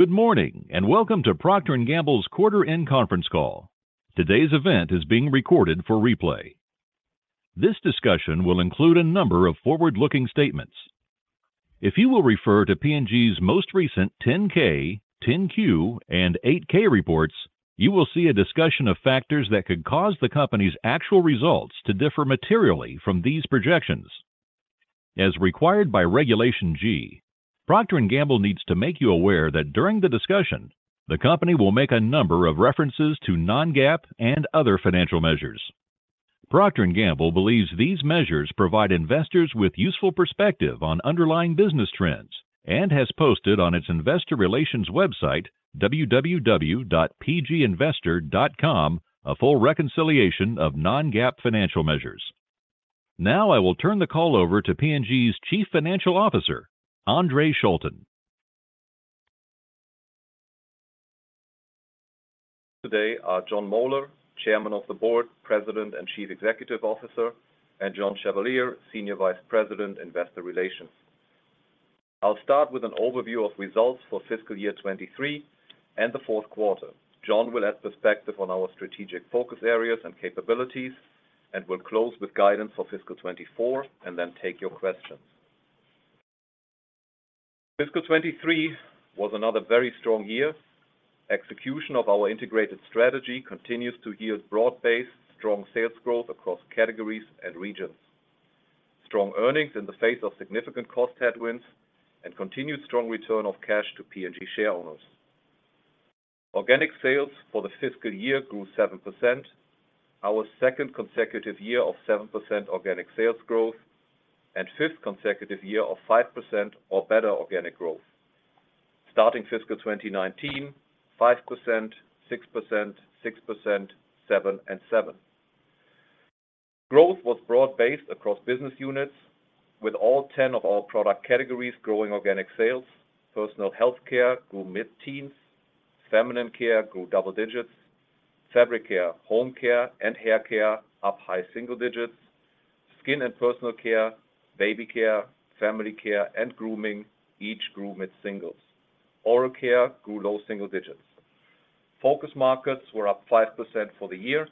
Good morning, welcome to Procter & Gamble's Quarter End Conference Call. Today's event is being recorded for replay. This discussion will include a number of forward-looking statements. If you will refer to P&G's most recent 10-K, 10-Q, and 8-K reports, you will see a discussion of factors that could cause the company's actual results to differ materially from these projections. As required by Regulation G, Procter & Gamble needs to make you aware that during the discussion, the company will make a number of references to non-GAAP and other financial measures. Procter & Gamble believes these measures provide investors with useful perspective on underlying business trends, and has posted on its investor relations website, www.pginvestor.com, a full reconciliation of non-GAAP financial measures. Now, I will turn the call over to P&G's Chief Financial Officer, Andre Schulten. Today are Jon Moeller, Chairman of the Board, President, and Chief Executive Officer, and John Chevalier, Senior Vice President, Investor Relations. I'll start with an overview of results for fiscal year 2023 and the Q4. Jon will add perspective on our strategic focus areas and capabilities. We'll close with guidance for fiscal 2024 and then take your questions. Fiscal 2023 was another very strong year. Execution of our integrated strategy continues to yield broad-based, strong sales growth across categories and regions, strong earnings in the face of significant cost headwinds, and continued strong return of cash to P&G share owners. Organic sales for the fiscal year grew 7%, our second consecutive year of 7% organic sales growth, and fifth consecutive year of 5% or better organic growth. Starting fiscal 2019, 5%, 6%, 6%, 7, and 7. Growth was broad-based across business units, with all 10 of our product categories growing organic sales. Personal health care grew mid-teens, feminine care grew double digits, fabric care, home care, and hair care up high single digits, skin and personal care, baby care, family care, and grooming, each grew mid-singles. Oral care grew low single digits. Focus markets were up 5% for the year.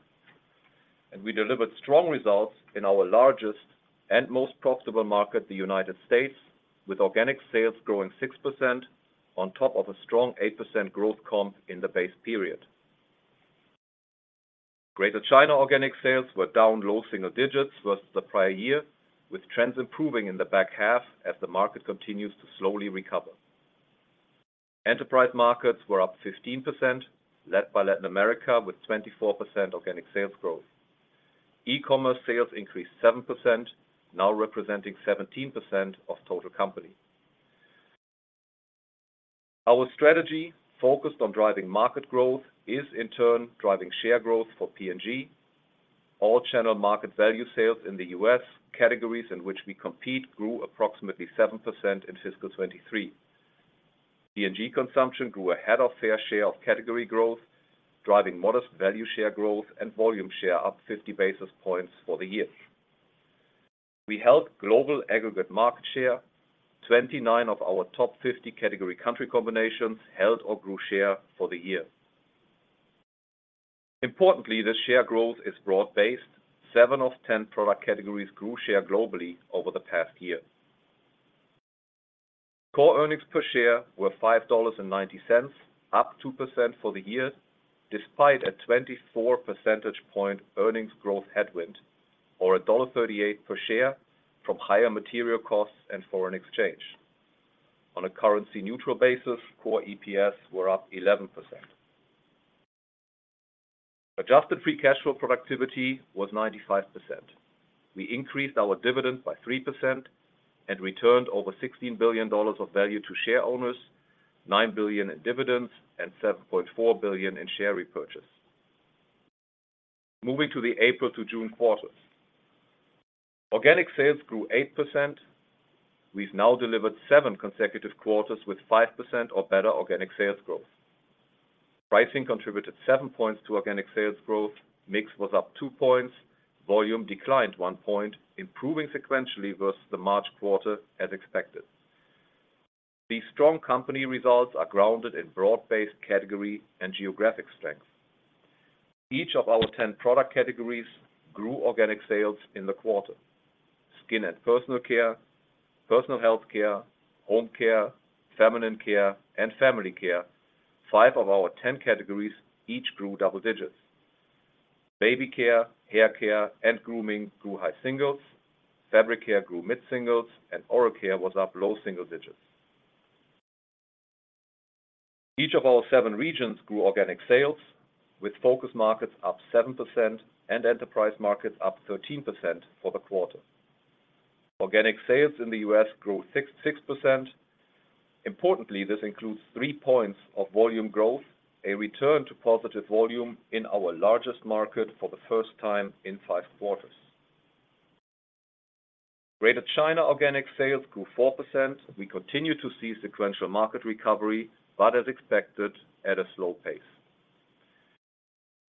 We delivered strong results in our largest and most profitable market, the United States, with organic sales growing 6% on top of a strong 8% growth comp in the base period. Greater China organic sales were down low single digits versus the prior year, with trends improving in the back half as the market continues to slowly recover. Enterprise markets were up 15%, led by Latin America, with 24% organic sales growth. E-commerce sales increased 7%, now representing 17% of total company. Our strategy, focused on driving market growth, is in turn driving share growth for P&G. All channel market value sales in the U.S., categories in which we compete grew approximately 7% in fiscal 2023. P&G consumption grew ahead of fair share of category growth, driving modest value share growth and volume share up 50 basis points for the year. We held global aggregate market share. 29 of our top 50 category country combinations held or grew share for the year. Importantly, this share growth is broad-based. 7 of 10 product categories grew share globally over the past year. Core earnings per share were $5.90, up 2% for the year, despite a 24 percentage point earnings growth headwind, or $1.38 per share from higher material costs and foreign exchange. On a currency-neutral basis, core EPS were up 11%. Adjusted free cash flow productivity was 95%. We increased our dividend by 3% and returned over $16 billion of value to share owners, $9 billion in dividends and $7.4 billion in share repurchase. Moving to the April to June quarters. Organic sales grew 8%. We've now delivered 7 consecutive quarters with 5% or better organic sales growth. Pricing contributed 7 points to organic sales growth. Mix was up 2 points. Volume declined 1 point, improving sequentially versus the March quarter, as expected. These strong company results are grounded in broad-based category and geographic strength. Each of our 10 product categories grew organic sales in the quarter. Skin and personal care, personal health care, home care, feminine care, and family care, 5 of our 10 categories each grew double digits. Baby care, hair care, and grooming grew high singles, fabric care grew mid-singles, and oral care was up low single digits. Each of our seven regions grew organic sales, with focus markets up 7% and enterprise markets up 13% for the quarter. Organic sales in the U.S. grew 6.6%. Importantly, this includes 3 points of volume growth, a return to positive volume in our largest market for the first time in 5 quarters. Greater China organic sales grew 4%. We continue to see sequential market recovery, as expected, at a slow pace.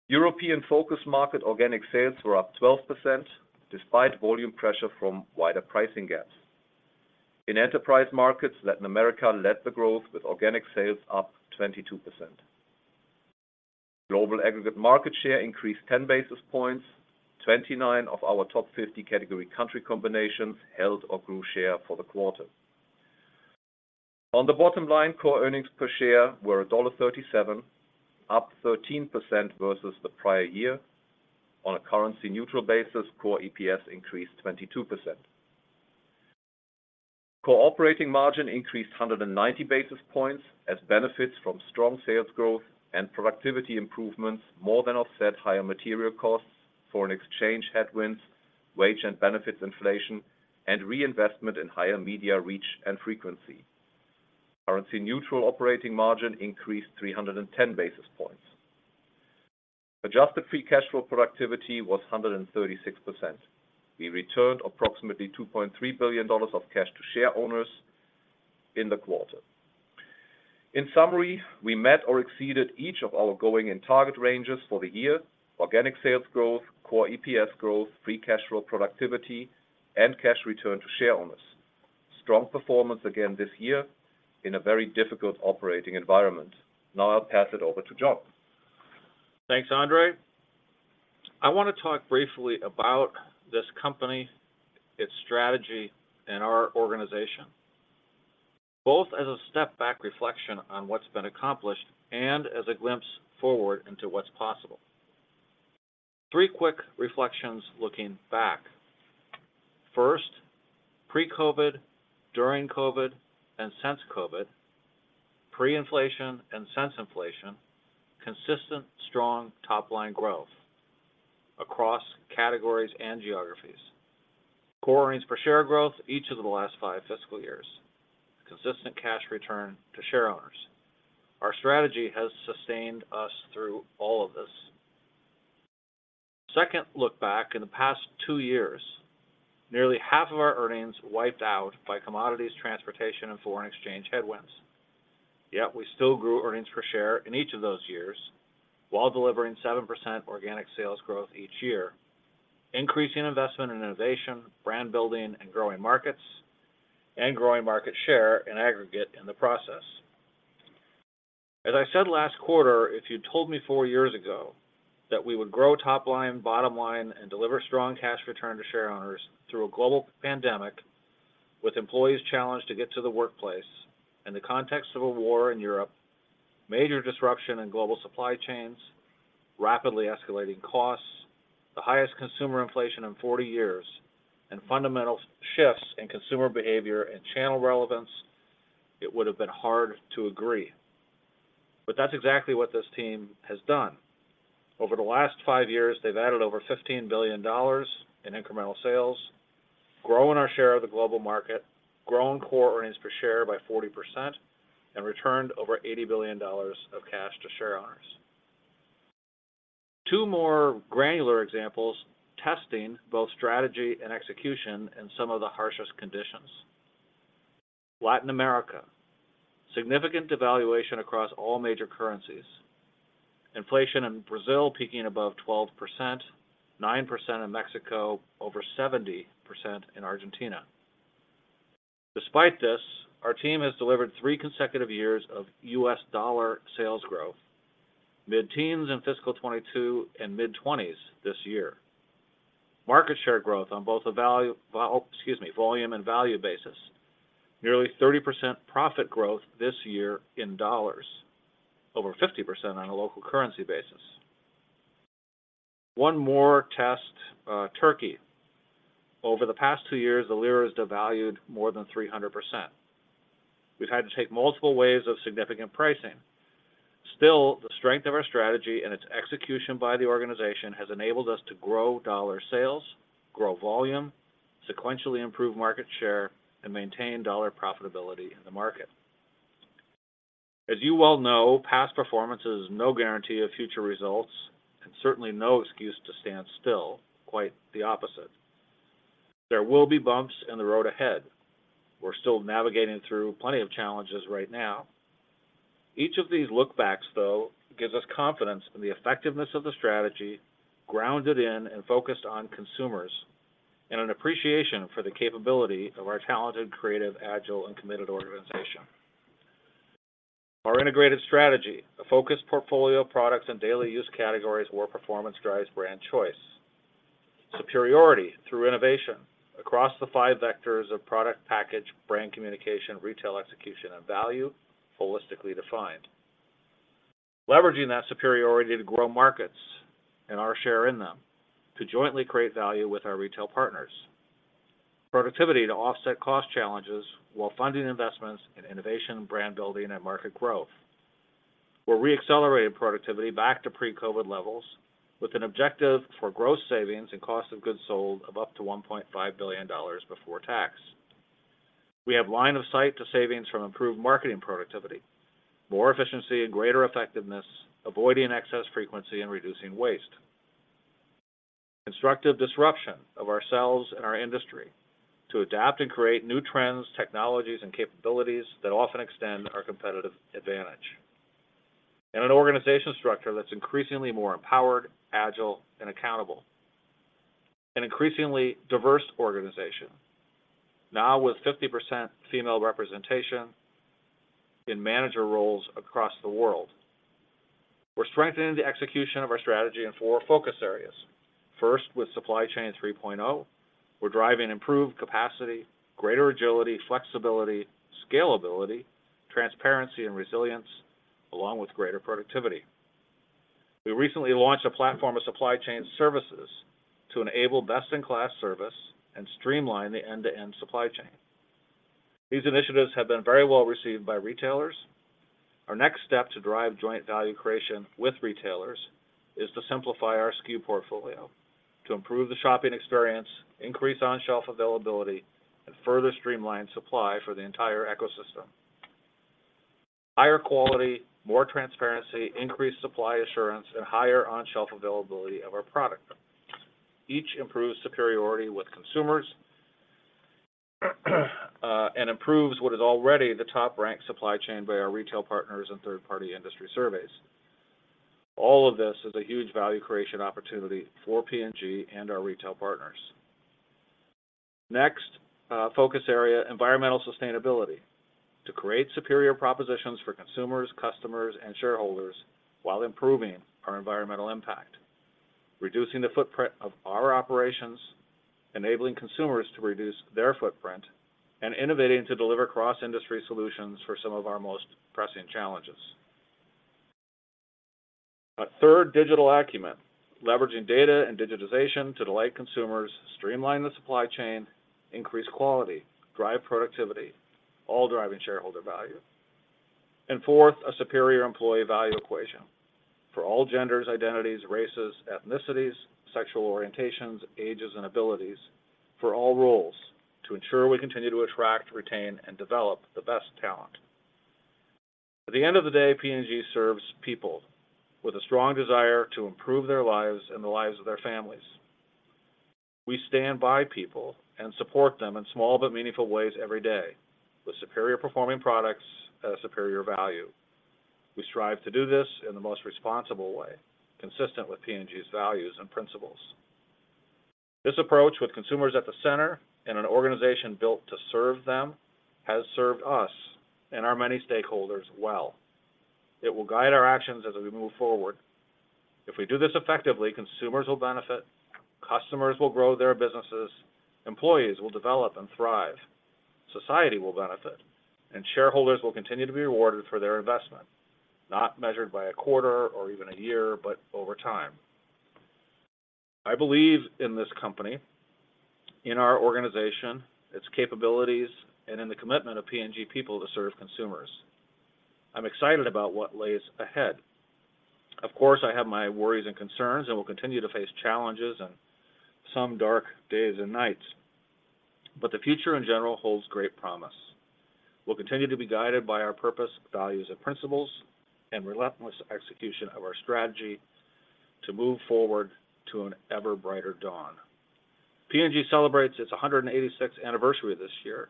European focus market organic sales were up 12%, despite volume pressure from wider pricing gaps. In enterprise markets, Latin America led the growth with organic sales up 22%. Global aggregate market share increased 10 basis points. 29 of our top 50 category country combinations held or grew share for the quarter. On the bottom line, core earnings per share were $1.37, up 13% versus the prior year. On a currency neutral basis, core EPS increased 22%. Core operating margin increased 190 basis points as benefits from strong sales growth and productivity improvements more than offset higher material costs, foreign exchange headwinds, wage and benefits inflation, and reinvestment in higher media reach and frequency. Currency neutral operating margin increased 310 basis points. Adjusted free cash flow productivity was 136%. We returned approximately $2.3 billion of cash to share owners in the quarter. In summary, we met or exceeded each of our going and target ranges for the year: organic sales growth, core EPS growth, free cash flow productivity, and cash return to share owners. Strong performance again this year in a very difficult operating environment. Now I'll pass it over to Jon. Thanks, Andre. I want to talk briefly about this company, its strategy, and our organization, both as a step-back reflection on what's been accomplished and as a glimpse forward into what's possible. 3 quick reflections looking back. First, pre-COVID, during COVID, and since COVID, pre-inflation and since inflation, consistent strong top-line growth across categories and geographies. Core earnings per share growth, each of the last 5 fiscal years. Consistent cash return to share owners. Our strategy has sustained us through all of this. Second look back in the past 2 years, nearly half of our earnings wiped out by commodities, transportation, and foreign exchange headwinds. Yet we still grew earnings per share in each of those years while delivering 7% organic sales growth each year, increasing investment in innovation, brand building, and growing markets, and growing market share and aggregate in the process. As I said last quarter, if you told me 4 years ago that we would grow top line, bottom line, and deliver strong cash return to share owners through a global pandemic with employees challenged to get to the workplace in the context of a war in Europe, major disruption in global supply chains, rapidly escalating costs, the highest consumer inflation in 40 years, and fundamental shifts in consumer behavior and channel relevance, it would have been hard to agree. That's exactly what this team has done. Over the last 5 years, they've added over $15 billion in incremental sales, growing our share of the global market, grown core earnings per share by 40%, and returned over $80 billion of cash to share owners. 2 more granular examples, testing both strategy and execution in some of the harshest conditions. Latin America: significant devaluation across all major currencies. Inflation in Brazil peaking above 12%, 9% in Mexico, over 70% in Argentina. Despite this, our team has delivered 3 consecutive years of U.S. dollar sales growth, mid-teens in fiscal 2022 and mid-20s this year. Market share growth on both a value-- excuse me, volume and value basis. Nearly 30% profit growth this year in dollars, over 50% on a local currency basis. One more test, Turkey. Over the past 2 years, the lira has devalued more than 300%. We've had to take multiple waves of significant pricing. Still, the strength of our strategy and its execution by the organization has enabled us to grow dollar sales, grow volume, sequentially improve market share, and maintain dollar profitability in the market. As you well know, past performance is no guarantee of future results and certainly no excuse to stand still. Quite the opposite. There will be bumps in the road ahead. We're still navigating through plenty of challenges right now. Each of these lookbacks, though, gives us confidence in the effectiveness of the strategy, grounded in and focused on consumers, and an appreciation for the capability of our talented, creative, agile, and committed organization. Our integrated strategy, a focused portfolio of products and daily use categories where performance drives brand choice, superiority through innovation across the five vectors of product, package, brand communication, retail execution, and value, holistically defined. Leveraging that superiority to grow markets and our share in them, to jointly create value with our retail partners. Productivity to offset cost challenges while funding investments in innovation, brand building, and market growth. We're re-accelerating productivity back to pre-COVID levels with an objective for gross savings and cost of goods sold of up to $1.5 billion before tax. We have line of sight to savings from improved marketing productivity, more efficiency and greater effectiveness, avoiding excess frequency and reducing waste. Constructive disruption of ourselves and our industry to adapt and create new trends, technologies, and capabilities that often extend our competitive advantage. An organization structure that's increasingly more empowered, agile, and accountable. An increasingly diverse organization, now with 50% female representation in manager roles across the world. We're strengthening the execution of our strategy in 4 focus areas. First, with Supply Chain 3.0, we're driving improved capacity, greater agility, flexibility, scalability, transparency, and resilience, along with greater productivity. We recently launched a platform of supply chain services to enable best-in-class service and streamline the end-to-end supply chain. These initiatives have been very well received by retailers. Our next step to drive joint value creation with retailers is to simplify our SKU portfolio, to improve the shopping experience, increase on-shelf availability, and further streamline supply for the entire ecosystem. Higher quality, more transparency, increased supply assurance, and higher on-shelf availability of our product. Each improves superiority with consumers, and improves what is already the top-ranked supply chain by our retail partners and third-party industry surveys. All of this is a huge value creation opportunity for P&G and our retail partners. Next, focus area, environmental sustainability. To create superior propositions for consumers, customers, and shareholders while improving our environmental impact, reducing the footprint of our operations, enabling consumers to reduce their footprint, and innovating to deliver cross-industry solutions for some of our most pressing challenges. A third, digital acumen, leveraging data and digitization to delight consumers, streamline the supply chain, increase quality, drive productivity, all driving shareholder value. Fourth, a superior employee value equation for all genders, identities, races, ethnicities, sexual orientations, ages, and abilities, for all roles to ensure we continue to attract, retain, and develop the best talent. At the end of the day, P&G serves people with a strong desire to improve their lives and the lives of their families. We stand by people and support them in small but meaningful ways every day with superior performing products at a superior value. We strive to do this in the most responsible way, consistent with P&G's values and principles. This approach, with consumers at the center and an organization built to serve them, has served us and our many stakeholders well. It will guide our actions as we move forward. If we do this effectively, consumers will benefit, customers will grow their businesses, employees will develop and thrive, society will benefit, and shareholders will continue to be rewarded for their investment, not measured by a quarter or even a year, but over time. I believe in this company, in our organization, its capabilities, and in the commitment of P&G people to serve consumers. I'm excited about what lays ahead. Of course, I have my worries and concerns, and we'll continue to face challenges and some dark days and nights, but the future in general holds great promise. We'll continue to be guided by our purpose, values, and principles, and relentless execution of our strategy to move forward to an ever brighter dawn. P&G celebrates its 186th anniversary this year.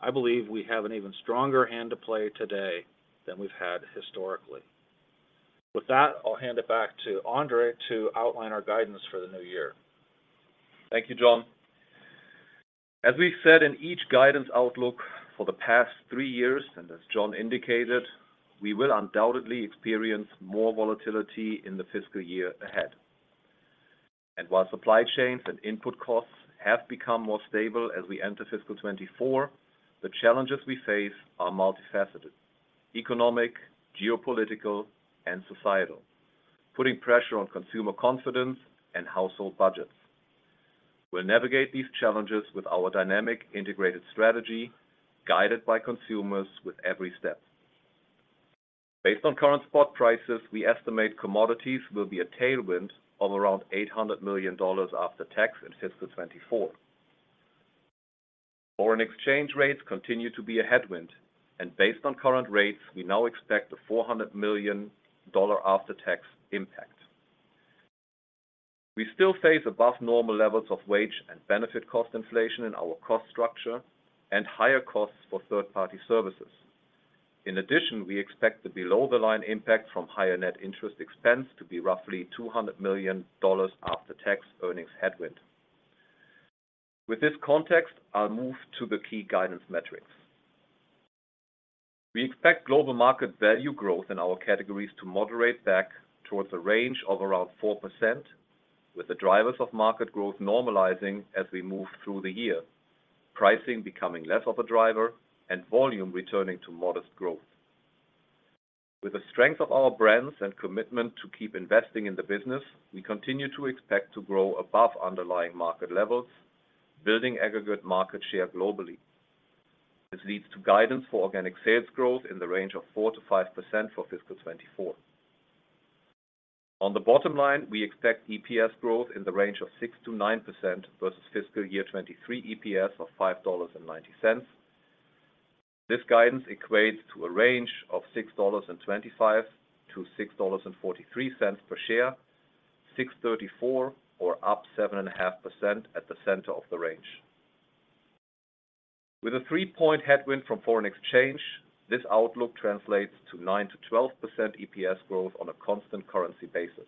I believe we have an even stronger hand to play today than we've had historically. With that, I'll hand it back to Andre to outline our guidance for the new year. Thank you, Jon. As we've said in each guidance outlook for the past 3 years, as Jon indicated, we will undoubtedly experience more volatility in the fiscal year ahead. While supply chains and input costs have become more stable as we enter fiscal 2024, the challenges we face are multifaceted: economic, geopolitical, and societal, putting pressure on consumer confidence and household budgets. We'll navigate these challenges with our dynamic integrated strategy, guided by consumers with every step. Based on current spot prices, we estimate commodities will be a tailwind of around $800 million after tax in fiscal 2024. Foreign exchange rates continue to be a headwind, based on current rates, we now expect a $400 million after tax impact. We still face above-normal levels of wage and benefit cost inflation in our cost structure and higher costs for third-party services. In addition, we expect the below-the-line impact from higher net interest expense to be roughly $200 million after-tax earnings headwind. With this context, I'll move to the key guidance metrics. We expect global market value growth in our categories to moderate back towards a range of around 4%, with the drivers of market growth normalizing as we move through the year, pricing becoming less of a driver, and volume returning to modest growth. With the strength of our brands and commitment to keep investing in the business, we continue to expect to grow above underlying market levels, building aggregate market share globally. This leads to guidance for organic sales growth in the range of 4%-5% for fiscal 2024. On the bottom line, we expect EPS growth in the range of 6%-9% versus fiscal year 2023 EPS of $5.90. This guidance equates to a range of $6.25-$6.43 per share, $6.34, or up 7.5% at the center of the range. With a 3-point headwind from foreign exchange, this outlook translates to 9%-12% EPS growth on a constant currency basis.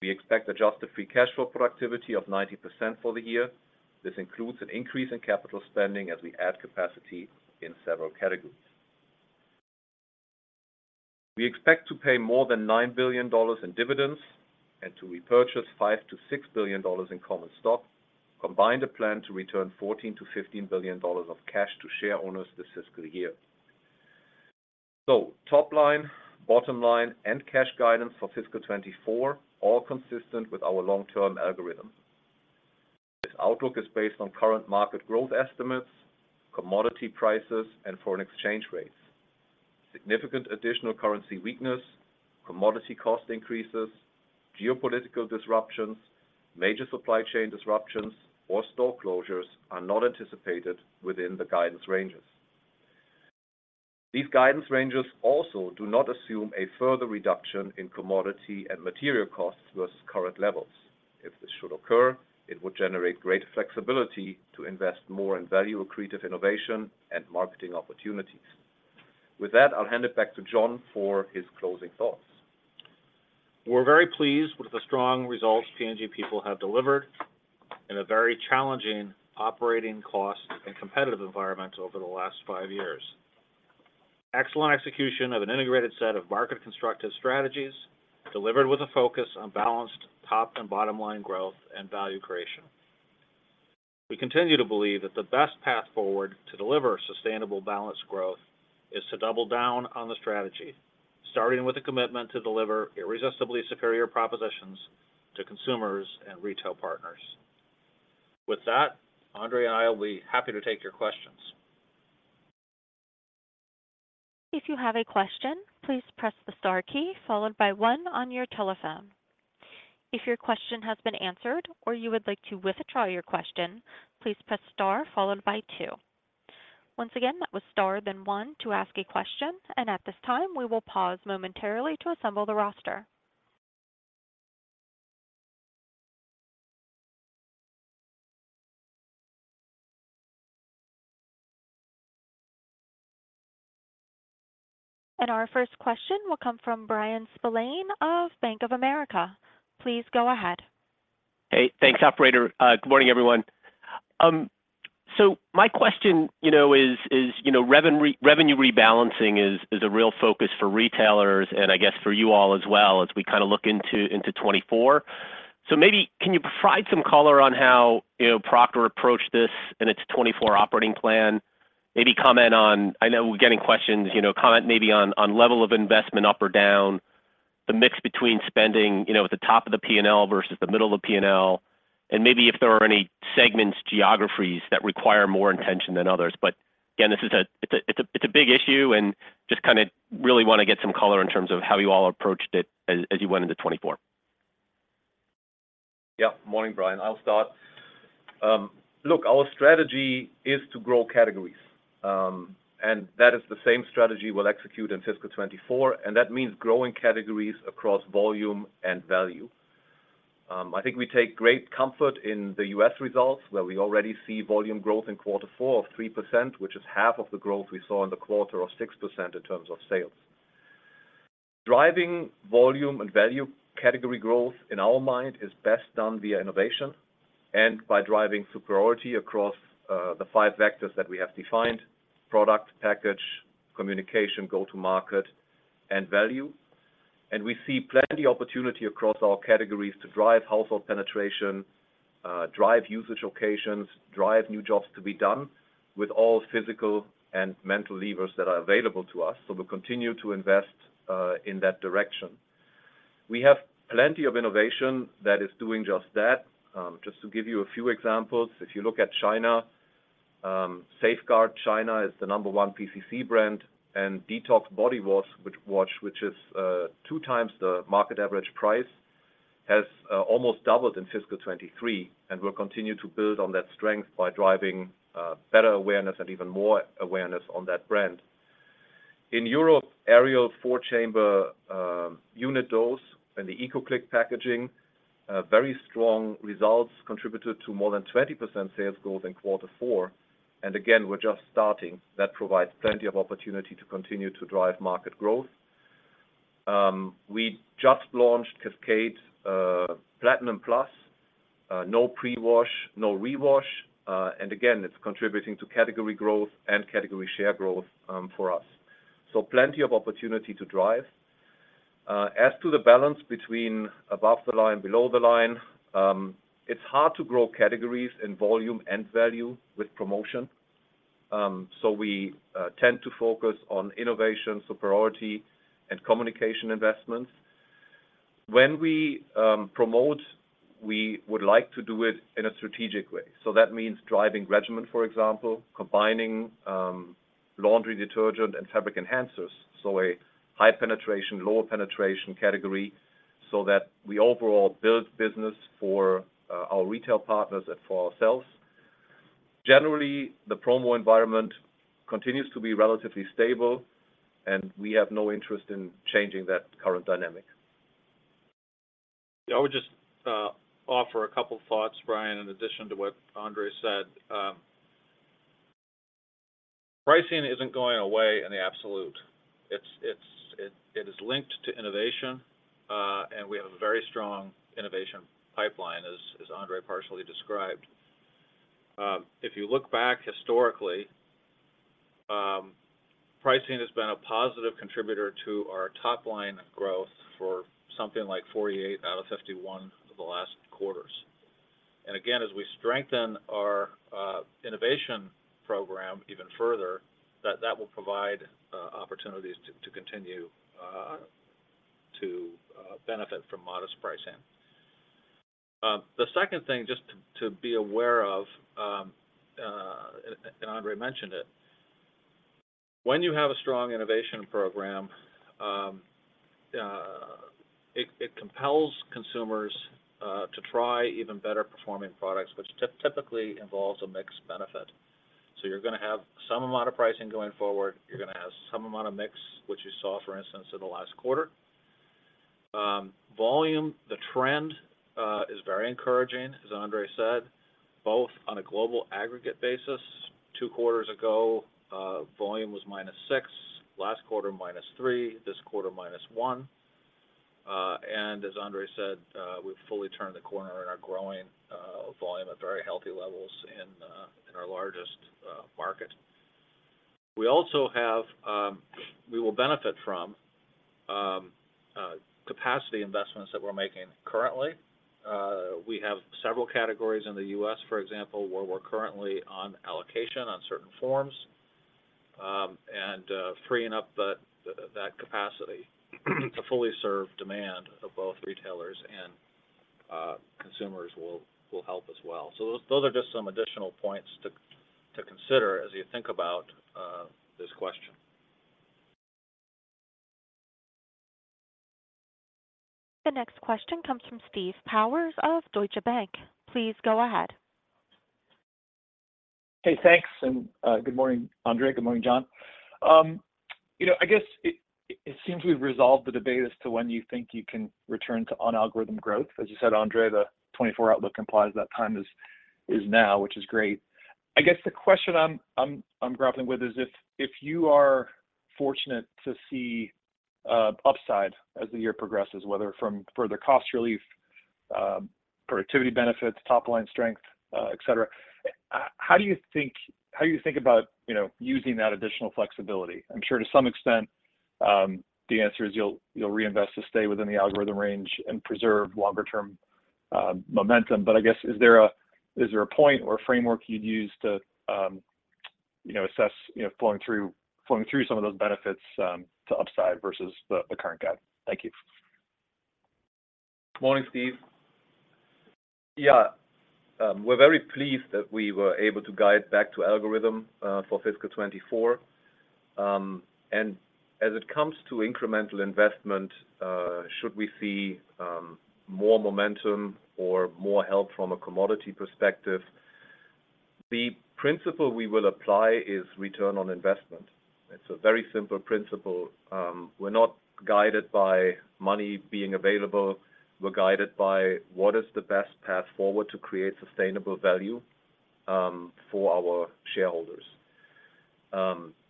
We expect adjusted free cash flow productivity of 90% for the year. This includes an increase in capital spending as we add capacity in several categories. We expect to pay more than $9 billion in dividends and to repurchase $5 billion-$6 billion in common stock, combined a plan to return $14 billion-$15 billion of cash to share owners this fiscal year. Top line, bottom line, and cash guidance for fiscal 2024, all consistent with our long-term algorithm. This outlook is based on current market growth estimates, commodity prices, and foreign exchange rates. Significant additional currency weakness, commodity cost increases, geopolitical disruptions, major supply chain disruptions, or store closures are not anticipated within the guidance ranges. These guidance ranges also do not assume a further reduction in commodity and material costs versus current levels. If this should occur, it would generate greater flexibility to invest more in value-accretive innovation and marketing opportunities. With that, I'll hand it back to Jon for his closing thoughts. We're very pleased with the strong results P&G people have delivered in a very challenging operating cost and competitive environment over the last 5 years. Excellent execution of an integrated set of market-constructive strategies, delivered with a focus on balanced top and bottom line growth and value creation. We continue to believe that the best path forward to deliver sustainable balanced growth is to double down on the strategy, starting with a commitment to deliver irresistibly superior propositions to consumers and retail partners. With that, Andre and I will be happy to take your questions. If you have a question, please press the star key followed by one on your telephone. If your question has been answered or you would like to withdraw your question, please press star followed by two. Once again, that was star, then one to ask a question, at this time, we will pause momentarily to assemble the roster. Our first question will come from Bryan Spillane of Bank of America. Please go ahead. Hey, thanks, operator. Good morning, everyone. My question, you know, is, is, you know, revenue rebalancing is, is a real focus for retailers, and I guess for you all as well, as we kind of look into, into 2024. Maybe can you provide some color on how, you know, Procter approached this in its 2024 operating plan? Maybe comment on. I know we're getting questions, you know, comment maybe on level of investment up or down, the mix between spending, you know, at the top of the P&L versus the middle of the P&L, and maybe if there are any segments, geographies that require more intention than others. Again, this is a, it's a, it's a big issue and just kind of really want to get some color in terms of how you all approached it as, as you went into 2024. Yeah. Morning, Bryan. I'll start. Look, our strategy is to grow categories. That is the same strategy we'll execute in fiscal 2024, and that means growing categories across volume and value. I think we take great comfort in the U.S. results, where we already see volume growth in quarter four of 3%, which is half of the growth we saw in the quarter of 6% in terms of sales. Driving volume and value category growth, in our mind, is best done via innovation and by driving superiority across the five vectors that we have defined: product, package, communication, go-to-market, and value. We see plenty opportunity across all categories to drive household penetration, drive usage occasions, drive new jobs to be done with all physical and mental levers that are available to us. We'll continue to invest in that direction. We have plenty of innovation that is doing just that. Just to give you a few examples, if you look at China, Safeguard China is the number 1 PCC brand, and Detox Body Wash, which is 2 times the market average price, has almost doubled in fiscal 23 and will continue to build on that strength by driving better awareness and even more awareness on that brand. In Europe, Ariel 4-chamber unit dose and the ECOCLIC packaging, very strong results contributed to more than 20% sales growth in quarter four. Again, we're just starting. That provides plenty of opportunity to continue to drive market growth. We just launched Cascade Platinum Plus, no pre-wash, no rewash, and again, it's contributing to category growth and category share growth for us. Plenty of opportunity to drive. As to the balance between above the line, below the line, it's hard to grow categories in volume and value with promotion, so we tend to focus on innovation, superiority, and communication investments. When we promote, we would like to do it in a strategic way. That means driving regimen, for example, combining laundry detergent and fabric enhancers. A high penetration, lower penetration category, so that we overall build business for our retail partners and for ourselves. Generally, the promo environment continues to be relatively stable, and we have no interest in changing that current dynamic. Yeah, I would just offer a couple thoughts, Bryan, in addition to what Andre said. Pricing isn't going away in the absolute. It's, it's, it is linked to innovation, and we have a very strong innovation pipeline, as Andre partially described. If you look back historically, pricing has been a positive contributor to our top-line growth for something like 48 out of 51 of the last quarters. Again, as we strengthen our innovation program even further, that, that will provide opportunities to continue to benefit from modest pricing. The second thing, just to be aware of, and Andre mentioned it: when you have a strong innovation program, it compels consumers to try even better-performing products, which typically involves a mixed benefit. You're gonna have some amount of pricing going forward. You're gonna have some amount of mix, which you saw, for instance, in the last quarter. Volume, the trend, is very encouraging, as Andre said, both on a global aggregate basis. 2 quarters ago, volume was minus 6, last quarter, minus 3, this quarter, minus 1. As Andre said, we've fully turned the corner and are growing volume at very healthy levels in our largest market. We also have, we will benefit from capacity investments that we're making currently. We have several categories in the U.S., for example, where we're currently on allocation on certain forms, and freeing up the that capacity to fully serve demand of both retailers and consumers will, will help as well. Those, those are just some additional points to, to consider as you think about, this question. The next question comes from Steve Powers of Deutsche Bank. Please go ahead. Hey, thanks. Good morning, Andre. Good morning, Jon. You know, I guess it, it seems we've resolved the debate as to when you think you can return to on-algorithm growth. As you said, Andre, the 2024 outlook implies that time is, is now, which is great. I guess the question I'm grappling with is if, if you are fortunate to see upside as the year progresses, whether from further cost relief, productivity benefits, top-line strength, et cetera, how do you think about, you know, using that additional flexibility? I'm sure to some extent, the answer is you'll, you'll reinvest to stay within the algorithm range and preserve longer-term momentum. I guess, is there a point or a framework you'd use to, you know, assess, you know, flowing through, flowing through some of those benefits, to upside versus the current guide? Thank you. Morning, Steve. Yeah, we're very pleased that we were able to guide back to algorithm for fiscal 2024. As it comes to incremental investment, should we see more momentum or more help from a commodity perspective, the principle we will apply is return on investment. It's a very simple principle. We're not guided by money being available. We're guided by what is the best path forward to create sustainable value for our shareholders.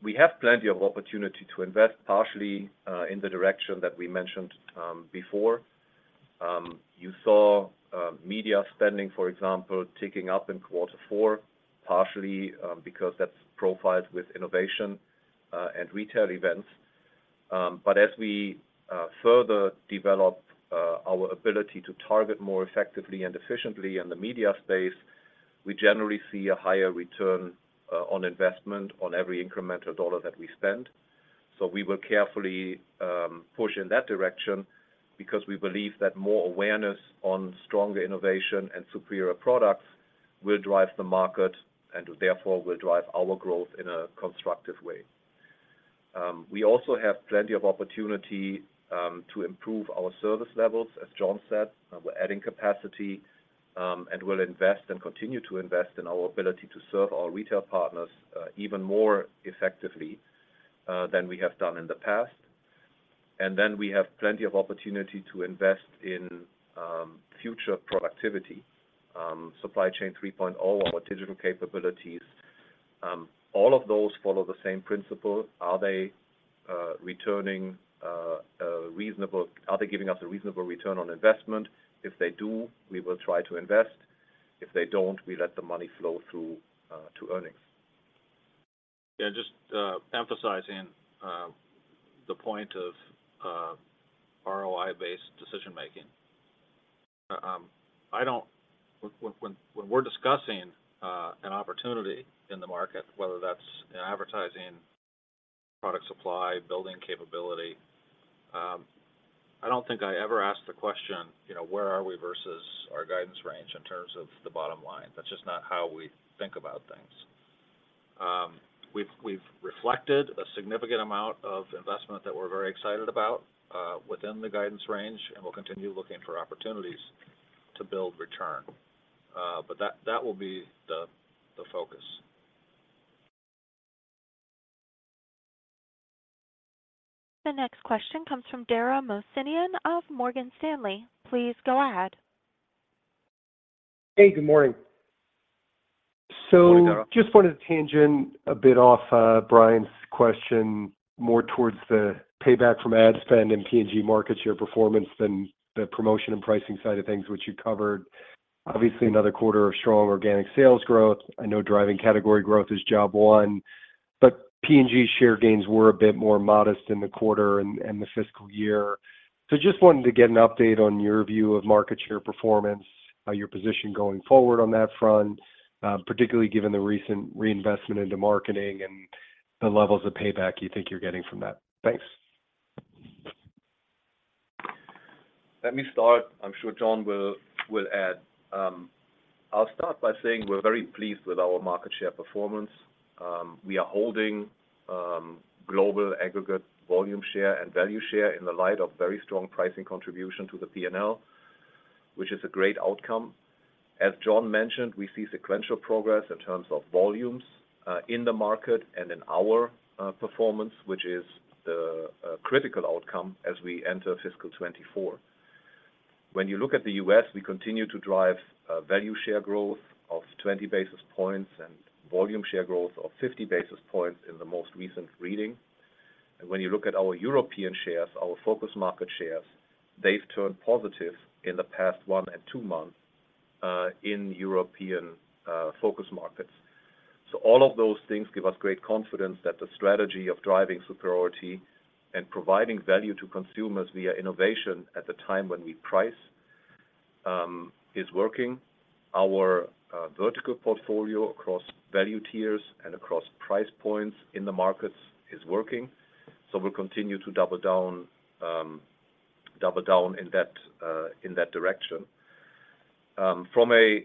We have plenty of opportunity to invest partially in the direction that we mentioned before. You saw media spending, for example, ticking up in quarter four, partially because that's profiled with innovation and retail events. As we further develop our ability to target more effectively and efficiently in the media space, we generally see a higher return on investment on every incremental dollar that we spend. We will carefully push in that direction because we believe that more awareness on stronger innovation and superior products will drive the market and therefore will drive our growth in a constructive way. We also have plenty of opportunity to improve our service levels, as Jon said. We're adding capacity, and we'll invest and continue to invest in our ability to serve our retail partners even more effectively than we have done in the past. We have plenty of opportunity to invest in future productivity, Supply Chain 3.0, our digital capabilities. All of those follow the same principle. Are they giving us a reasonable return on investment? If they do, we will try to invest. If they don't, we let the money flow through to earnings. Yeah, just emphasizing the point of ROI-based decision making. When we're discussing an opportunity in the market, whether that's in advertising, product supply, building capability, I don't think I ever asked the question, you know, where are we versus our guidance range in terms of the bottom line? That's just not how we think about things. We've, we've reflected a significant amount of investment that we're very excited about within the guidance range, and we'll continue looking for opportunities to build return. That, that will be the, the focus. The next question comes from Dara Mohsenian of Morgan Stanley. Please go ahead. Hey, good morning. Good morning, Dara. Just wanted to tangent a bit off Brian's question, more towards the payback from ad spend and P&G market share performance than the promotion and pricing side of things, which you covered. Obviously, another quarter of strong organic sales growth. I know driving category growth is job one, but P&G share gains were a bit more modest in the quarter and the fiscal year. Just wanted to get an update on your view of market share performance, your position going forward on that front, particularly given the recent reinvestment into marketing and the levels of payback you think you're getting from that. Thanks. Let me start. I'm sure Jon will, will add. I'll start by saying we're very pleased with our market share performance. We are holding global aggregate volume share and value share in the light of very strong pricing contribution to the P&L, which is a great outcome. As Jon mentioned, we see sequential progress in terms of volumes in the market and in our performance, which is the critical outcome as we enter fiscal 2024. When you look at the U.S., we continue to drive value share growth of 20 basis points and volume share growth of 50 basis points in the most recent reading. When you look at our European shares, our focus market shares, they've turned positive in the past one and two months in European focus markets. All of those things give us great confidence that the strategy of driving superiority and providing value to consumers via innovation at the time when we price is working. Our vertical portfolio across value tiers and across price points in the markets is working, so we'll continue to double down, double down in that direction. From a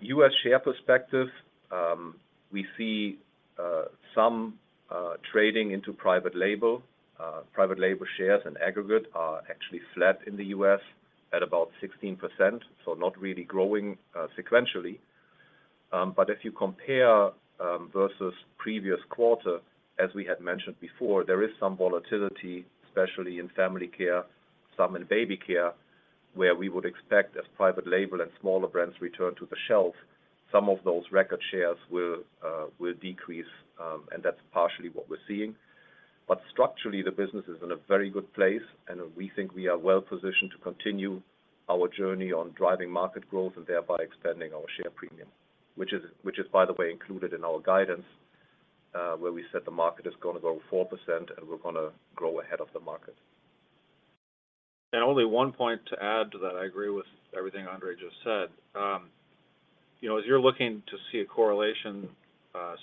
U.S. share perspective, we see some trading into private label. Private label shares and aggregate are actually flat in the U.S. at about 16%, so not really growing sequentially. If you compare versus previous quarter, as we had mentioned before, there is some volatility, especially in family care, some in baby care, where we would expect as private label and smaller brands return to the shelf, some of those record shares will decrease, and that's partially what we're seeing. Structurally, the business is in a very good place, and we think we are well-positioned to continue our journey on driving market growth and thereby expanding our share premium, which is, which is, by the way, included in our guidance, where we said the market is gonna grow 4% and we're gonna grow ahead of the market. Only one point to add to that, I agree with everything Andre just said. You know, as you're looking to see a correlation,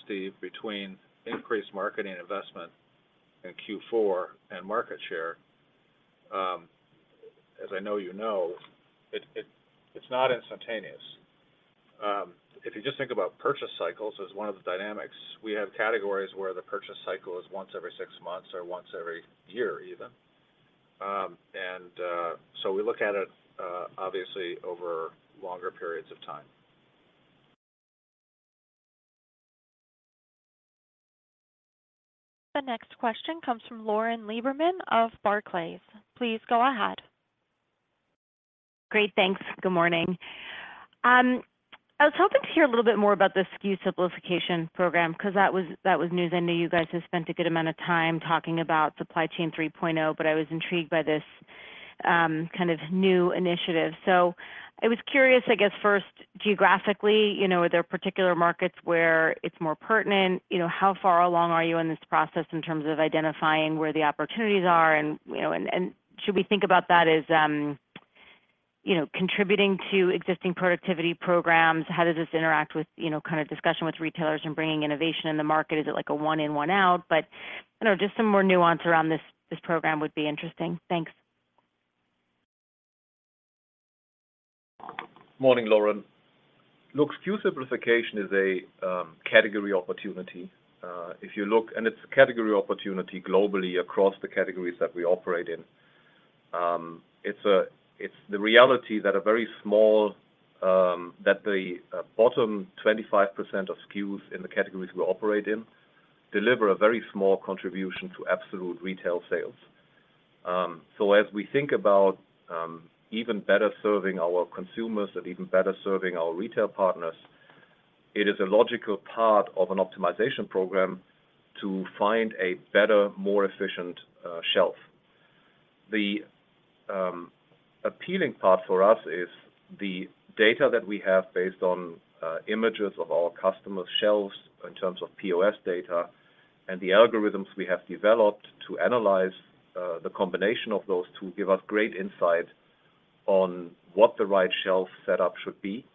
Steve, between increased marketing investment in Q4 and market share, as I know you know, it, it, it's not instantaneous. If you just think about purchase cycles as one of the dynamics, we have categories where the purchase cycle is once every six months or once every year, even. So we look at it, obviously, over longer periods of time. The next question comes from Lauren Lieberman of Barclays. Please go ahead. Great, thanks. Good morning. I was hoping to hear a little bit more about the SKU simplification program, 'cause that was, that was news. I know you guys have spent a good amount of time talking about Supply Chain 3.0, but I was intrigued by this, kind of new initiative. I was curious, I guess first, geographically, you know, are there particular markets where it's more pertinent? You know, how far along are you in this process in terms of identifying where the opportunities are? You know, and should we think about that as, you know, contributing to existing productivity programs? How does this interact with, you know, kind of discussion with retailers and bringing innovation in the market? Is it like a one in, one out? You know, just some more nuance around this, this program would be interesting. Thanks. Morning, Lauren. Look, SKU simplification is a category opportunity. if you look... It's a category opportunity globally across the categories that we operate in. It's the reality that a very small, that the bottom 25% of SKUs in the categories we operate in, deliver a very small contribution to absolute retail sales. As we think about even better serving our consumers and even better serving our retail partners, it is a logical part of an optimization program to find a better, more efficient shelf. The appealing part for us is the data that we have based on images of our customers' shelves in terms of POS data and the algorithms we have developed to analyze the combination of those two, give us great insight on what the right shelf setup should be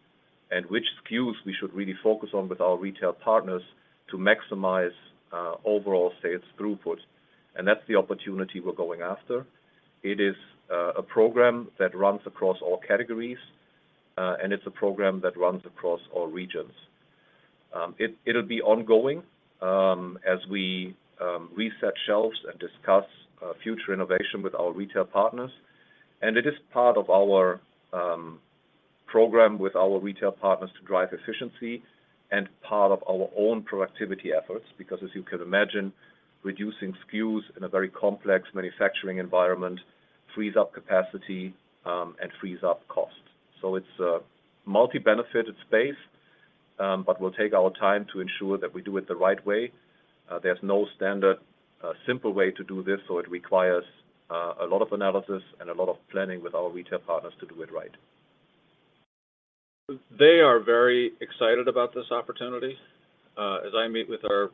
and which SKUs we should really focus on with our retail partners to maximize overall sales throughput. That's the opportunity we're going after. It is a program that runs across all categories. It's a program that runs across all regions. It'll be ongoing as we reset shelves and discuss future innovation with our retail partners. It is part of our program with our retail partners to drive efficiency and part of our own productivity efforts, because as you can imagine, reducing SKUs in a very complex manufacturing environment frees up capacity and frees up cost. It's a multi-benefited space, but we'll take our time to ensure that we do it the right way. There's no standard simple way to do this, so it requires a lot of analysis and a lot of planning with our retail partners to do it right. They are very excited about this opportunity. As I meet with our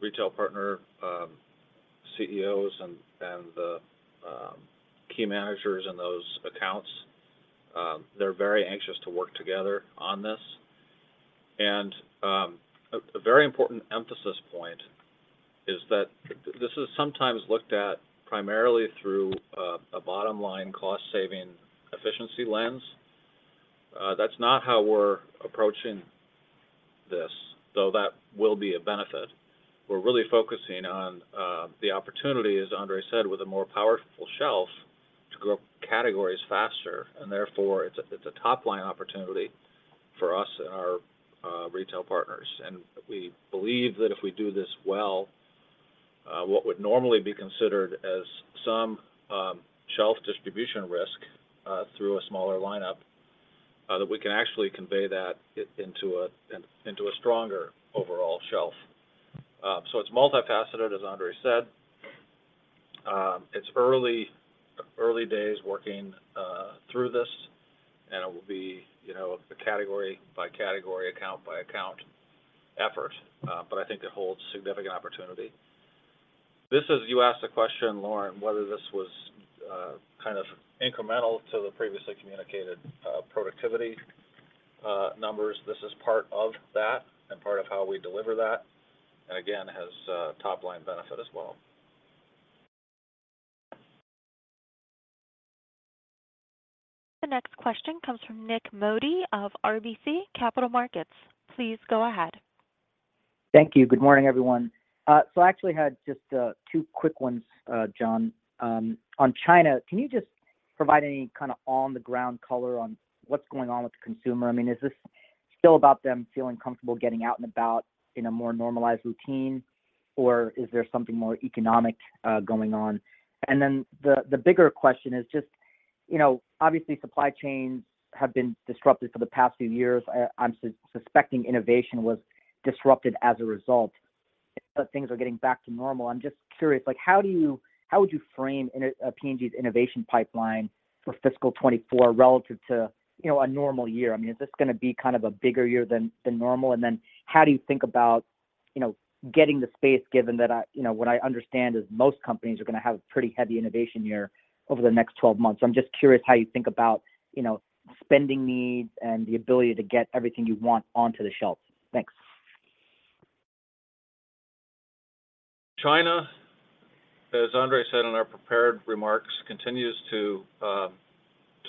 retail partner, CEOs and, and the key managers in those accounts, they're very anxious to work together on this. A very important emphasis point is that this is sometimes looked at primarily through a bottom line, cost-saving, efficiency lens. That's not how we're approaching this, though that will be a benefit. We're really focusing on the opportunity, as Andre said, with a more powerful shelf to grow categories faster, therefore, it's a, it's a top-line opportunity for us and our retail partners. We believe that if we do this well, what would normally be considered as some shelf distribution risk, through a smaller lineup, that we can actually convey that into a, into a stronger overall shelf. It's multifaceted, as Andre said. It's early, early days working, through this. It will be, you know, a category-by-category, account-by-account effort, but I think it holds significant opportunity. You asked a question, Lauren, whether this was kind of incremental to the previously communicated productivity numbers. This is part of that and part of how we deliver that. Again, has top-line benefit as well. The next question comes from Nik Modi of RBC Capital Markets. Please go ahead. Thank you. Good morning, everyone. I actually had just two quick ones, Jon. On China, can you just provide any kind of on-the-ground color on what's going on with the consumer? I mean, is this still about them feeling comfortable getting out and about in a more normalized routine, or is there something more economic going on? The bigger question is just, you know, obviously, supply chains have been disrupted for the past few years. I'm suspecting innovation was disrupted as a result, but things are getting back to normal. I'm just curious, like, how would you frame P&G's innovation pipeline for fiscal 2024 relative to, you know, a normal year? I mean, is this going to be kind of a bigger year than normal? How do you think about, you know, getting the space, given that I, you know, what I understand is most companies are going to have a pretty heavy innovation year over the next 12 months. I'm just curious how you think about, you know, spending needs and the ability to get everything you want onto the shelves. Thanks. China, as Andre said in our prepared remarks, continues to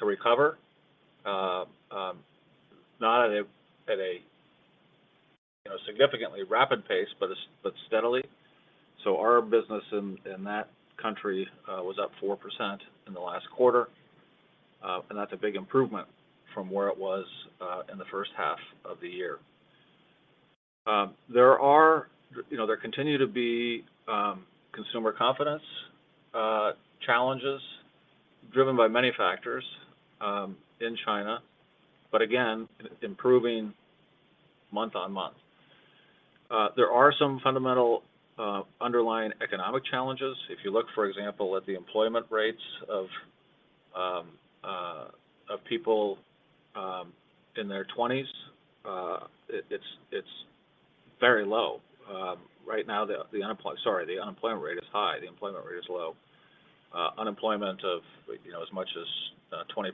recover, not at a, at a, you know, significantly rapid pace, but steadily. Our business in that country was up 4% in the last quarter, and that's a big improvement from where it was in the first half of the year. There are, you know, there continue to be consumer confidence challenges driven by many factors in China, but again, improving month-on-month. There are some fundamental underlying economic challenges. If you look, for example, at the employment rates of people in their twenties, it's very low. Right now, the, sorry, the unemployment rate is high, the employment rate is low. unemployment of, you know, as much as 20%.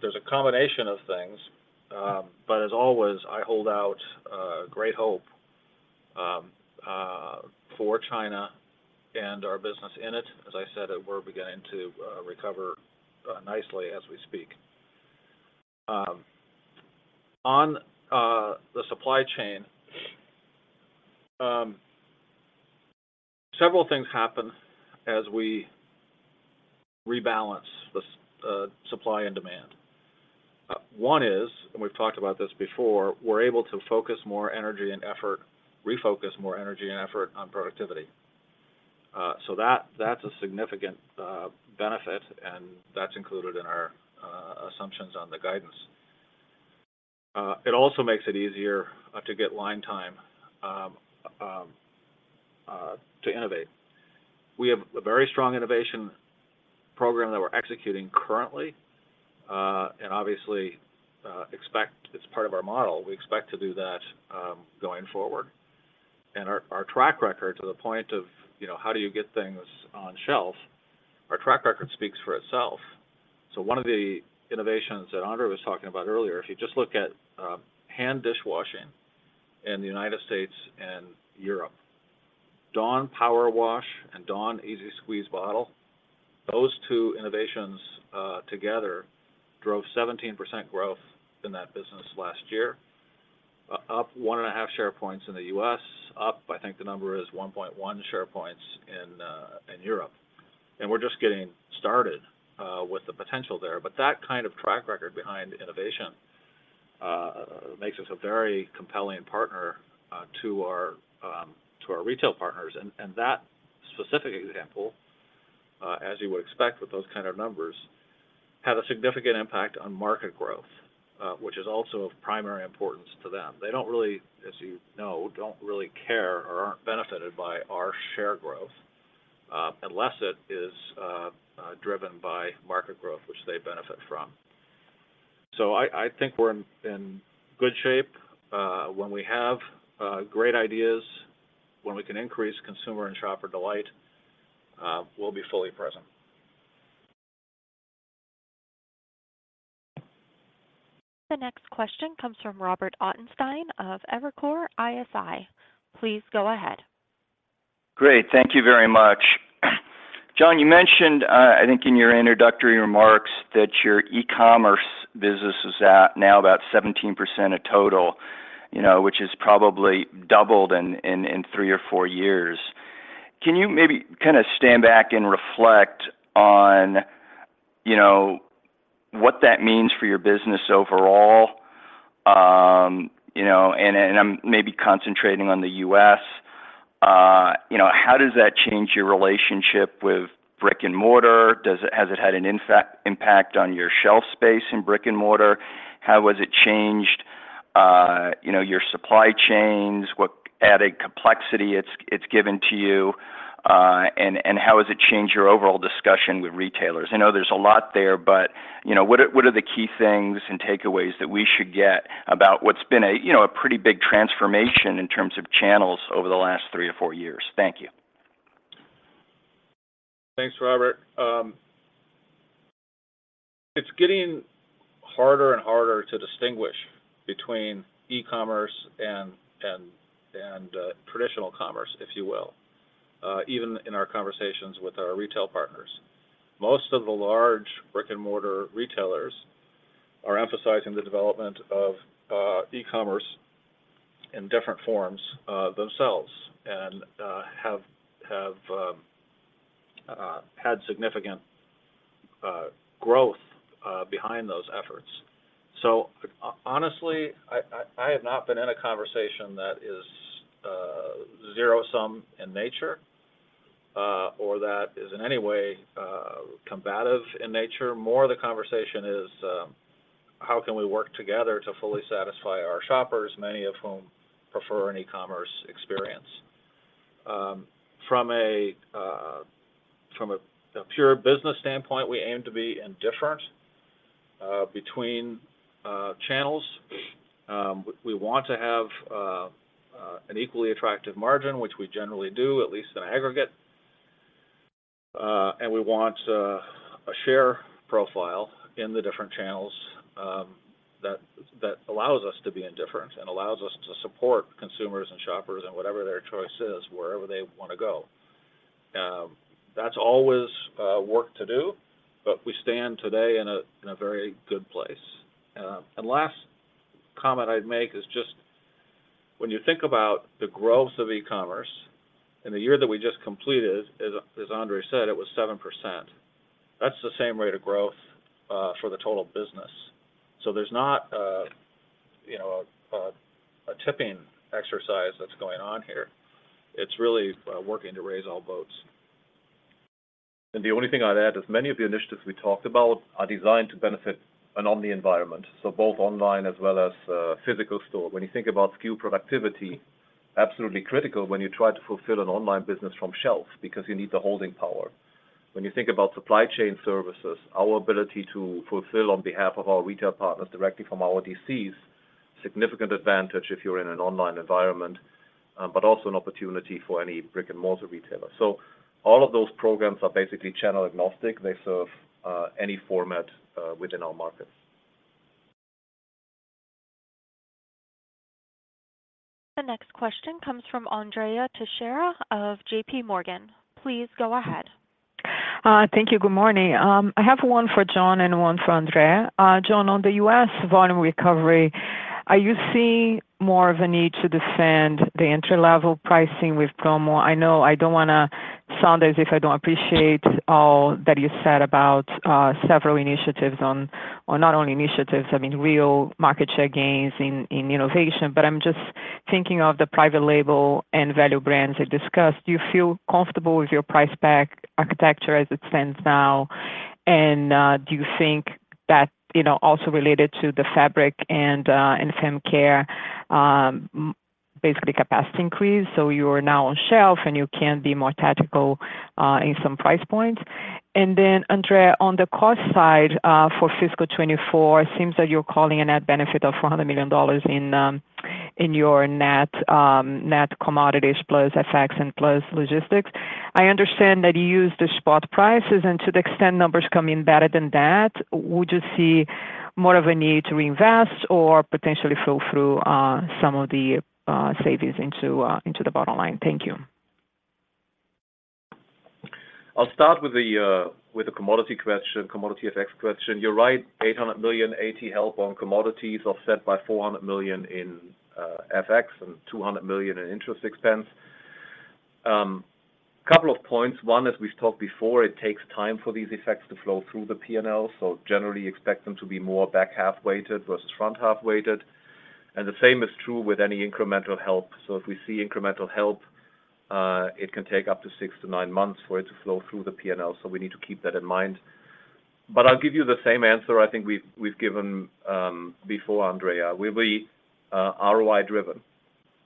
There's a combination of things, but as always, I hold out great hope for China and our business in it. As I said, we're beginning to recover nicely as we speak. On the supply chain, several things happen as we rebalance the supply and demand. One is, and we've talked about this before, we're able to focus more energy and effort, refocus more energy and effort on productivity. So that, that's a significant benefit, and that's included in our assumptions on the guidance. It also makes it easier to get line time to innovate. We have a very strong innovation program that we're executing currently, and obviously, expect it's part of our model. We expect to do that going forward. Our track record, to the point of, you know, how do you get things on shelf, our track record speaks for itself. One of the innovations that Andre was talking about earlier, if you just look at hand dishwashing in the United States and Europe. Dawn Powerwash and Dawn EZ-Squeeze Bottle, those two innovations together drove 17% growth in that business last year, up 1.5 share points in the US, up, I think the number is 1.1 share points in Europe. We're just getting started with the potential there. That kind of track record behind innovation makes us a very compelling partner to our retail partners. That specific example, as you would expect with those kind of numbers, had a significant impact on market growth, which is also of primary importance to them. They don't really, as you know, don't really care or aren't benefited by our share growth, unless it is driven by market growth, which they benefit from. I think we're in good shape. When we have great ideas, when we can increase consumer and shopper delight, we'll be fully present. The next question comes from Robert Ottenstein of Evercore ISI. Please go ahead. Great. Thank you very much. Jon, you mentioned, I think in your introductory remarks, that your e-commerce business is at now about 17% of total, you know, which is probably doubled in, in, in 3 or 4 years. Can you maybe kind of stand back and reflect on, you know, what that means for your business overall? You know, and, and I'm maybe concentrating on the U.S. You know, how does that change your relationship with brick-and-mortar? Does it has it had an impact on your shelf space in brick-and-mortar? How has it changed, you know, your supply chains? What added complexity it's given to you? And how has it changed your overall discussion with retailers? I know there's a lot there, but, you know, what are, what are the key things and takeaways that we should get about what's been a, you know, a pretty big transformation in terms of channels over the last three to four years? Thank you. Thanks, Robert. It's getting harder and harder to distinguish between e-commerce and traditional commerce, if you will, even in our conversations with our retail partners. Most of the large brick-and-mortar retailers are emphasizing the development of e-commerce in different forms themselves, and have had significant growth behind those efforts. Honestly, I, I, I have not been in a conversation that is zero-sum in nature, or that is in any way combative in nature. More of the conversation is, how can we work together to fully satisfy our shoppers, many of whom prefer an e-commerce experience? From a pure business standpoint, we aim to be indifferent between channels. We want to have an equally attractive margin, which we generally do, at least in aggregate. We want a share profile in the different channels that allows us to be indifferent and allows us to support consumers and shoppers and whatever their choice is, wherever they want to go. That's always work to do, but we stand today in a very good place. Last comment I'd make is just when you think about the growth of e-commerce, in the year that we just completed, as Andre said, it was 7%. That's the same rate of growth for the total business. There's not a tipping exercise that's going on here. It's really working to raise all boats. The only thing I'd add is many of the initiatives we talked about are designed to benefit an omni environment, so both online as well as physical store. When you think about SKU productivity, absolutely critical when you try to fulfill an online business from shelf because you need the holding power. When you think about supply chain services, our ability to fulfill on behalf of our retail partners directly from our DCs, significant advantage if you're in an online environment, but also an opportunity for any brick-and-mortar retailer. All of those programs are basically channel agnostic. They serve any format within our markets. The next question comes from Andrea Teixeira of J.P. Morgan. Please go ahead. Thank you. Good morning. I have one for Jon and one for Andre. Jon, on the U.S. volume recovery, are you seeing more of a need to defend the entry-level pricing with promo? I know I don't want to sound as if I don't appreciate all that you said about several initiatives on... or not only initiatives, I mean, real market share gains in, in innovation, but I'm just thinking of the private label and value brands you discussed. Do you feel comfortable with your price pack architecture as it stands now? Do you think that, you know, also related to the fabric and fem care, basically capacity increase, so you are now on shelf, and you can be more tactical in some price points? Andre, on the cost side, for fiscal 2024, it seems that you're calling a net benefit of $400 million in your net, net commodities plus effects and plus logistics. I understand that you use the spot prices, and to the extent numbers come in better than that, would you see more of a need to reinvest or potentially flow through some of the savings into the bottom line? Thank you. I'll start with the with the commodity question, commodity FX question. You're right, $800 million AT help on commodities, offset by $400 million in FX and $200 million in interest expense. Couple of points: One, as we've talked before, it takes time for these effects to flow through the PNL, generally expect them to be more back-half weighted versus front-half weighted, and the same is true with any incremental help. If we see incremental help, it can take up to 6-9 months for it to flow through the PNL, we need to keep that in mind. I'll give you the same answer I think we've, we've given before, Andrea. We'll be ROI driven.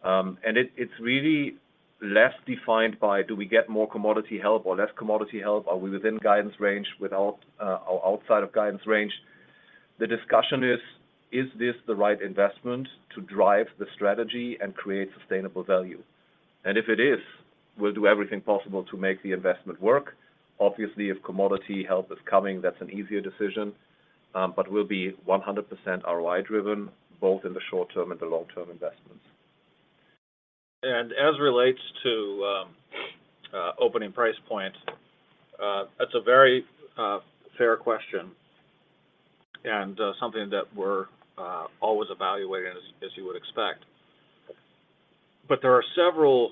It, it's really less defined by do we get more commodity help or less commodity help? Are we within guidance range, without, or outside of guidance range? The discussion is, is this the right investment to drive the strategy and create sustainable value? If it is, we'll do everything possible to make the investment work. Obviously, if commodity help is coming, that's an easier decision, but we'll be 100% ROI driven, both in the short term and the long-term investments. As relates to opening price point, that's a very fair question and something that we're always evaluating as, as you would expect. There are several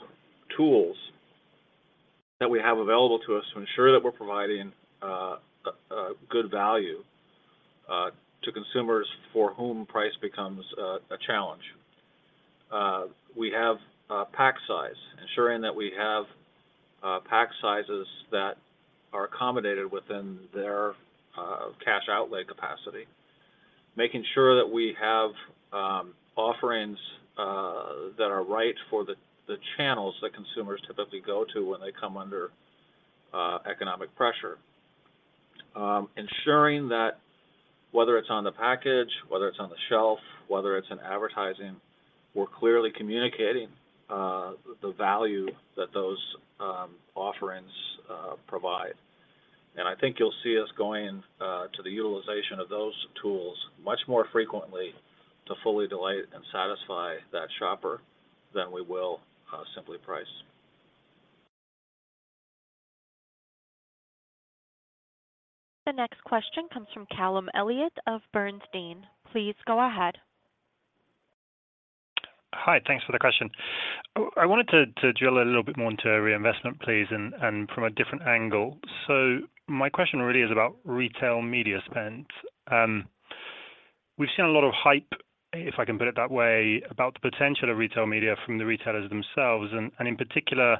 tools that we have available to us to ensure that we're providing a good value to consumers for whom price becomes a challenge. We have pack size, ensuring that we have pack sizes that are accommodated within their cash outlay capacity, making sure that we have offerings that are right for the channels that consumers typically go to when they come under economic pressure. Ensuring that whether it's on the package, whether it's on the shelf, whether it's in advertising, we're clearly communicating the value that those offerings provide. I think you'll see us going to the utilization of those tools much more frequently to fully delight and satisfy that shopper than we will simply price. The next question comes from Callum Elliott of Bernstein. Please go ahead. Hi, thanks for the question. I wanted to drill a little bit more into reinvestment, please, and from a different angle. My question really is about retail media spend. We've seen a lot of hype, if I can put it that way, about the potential of retail media from the retailers themselves, and in particular,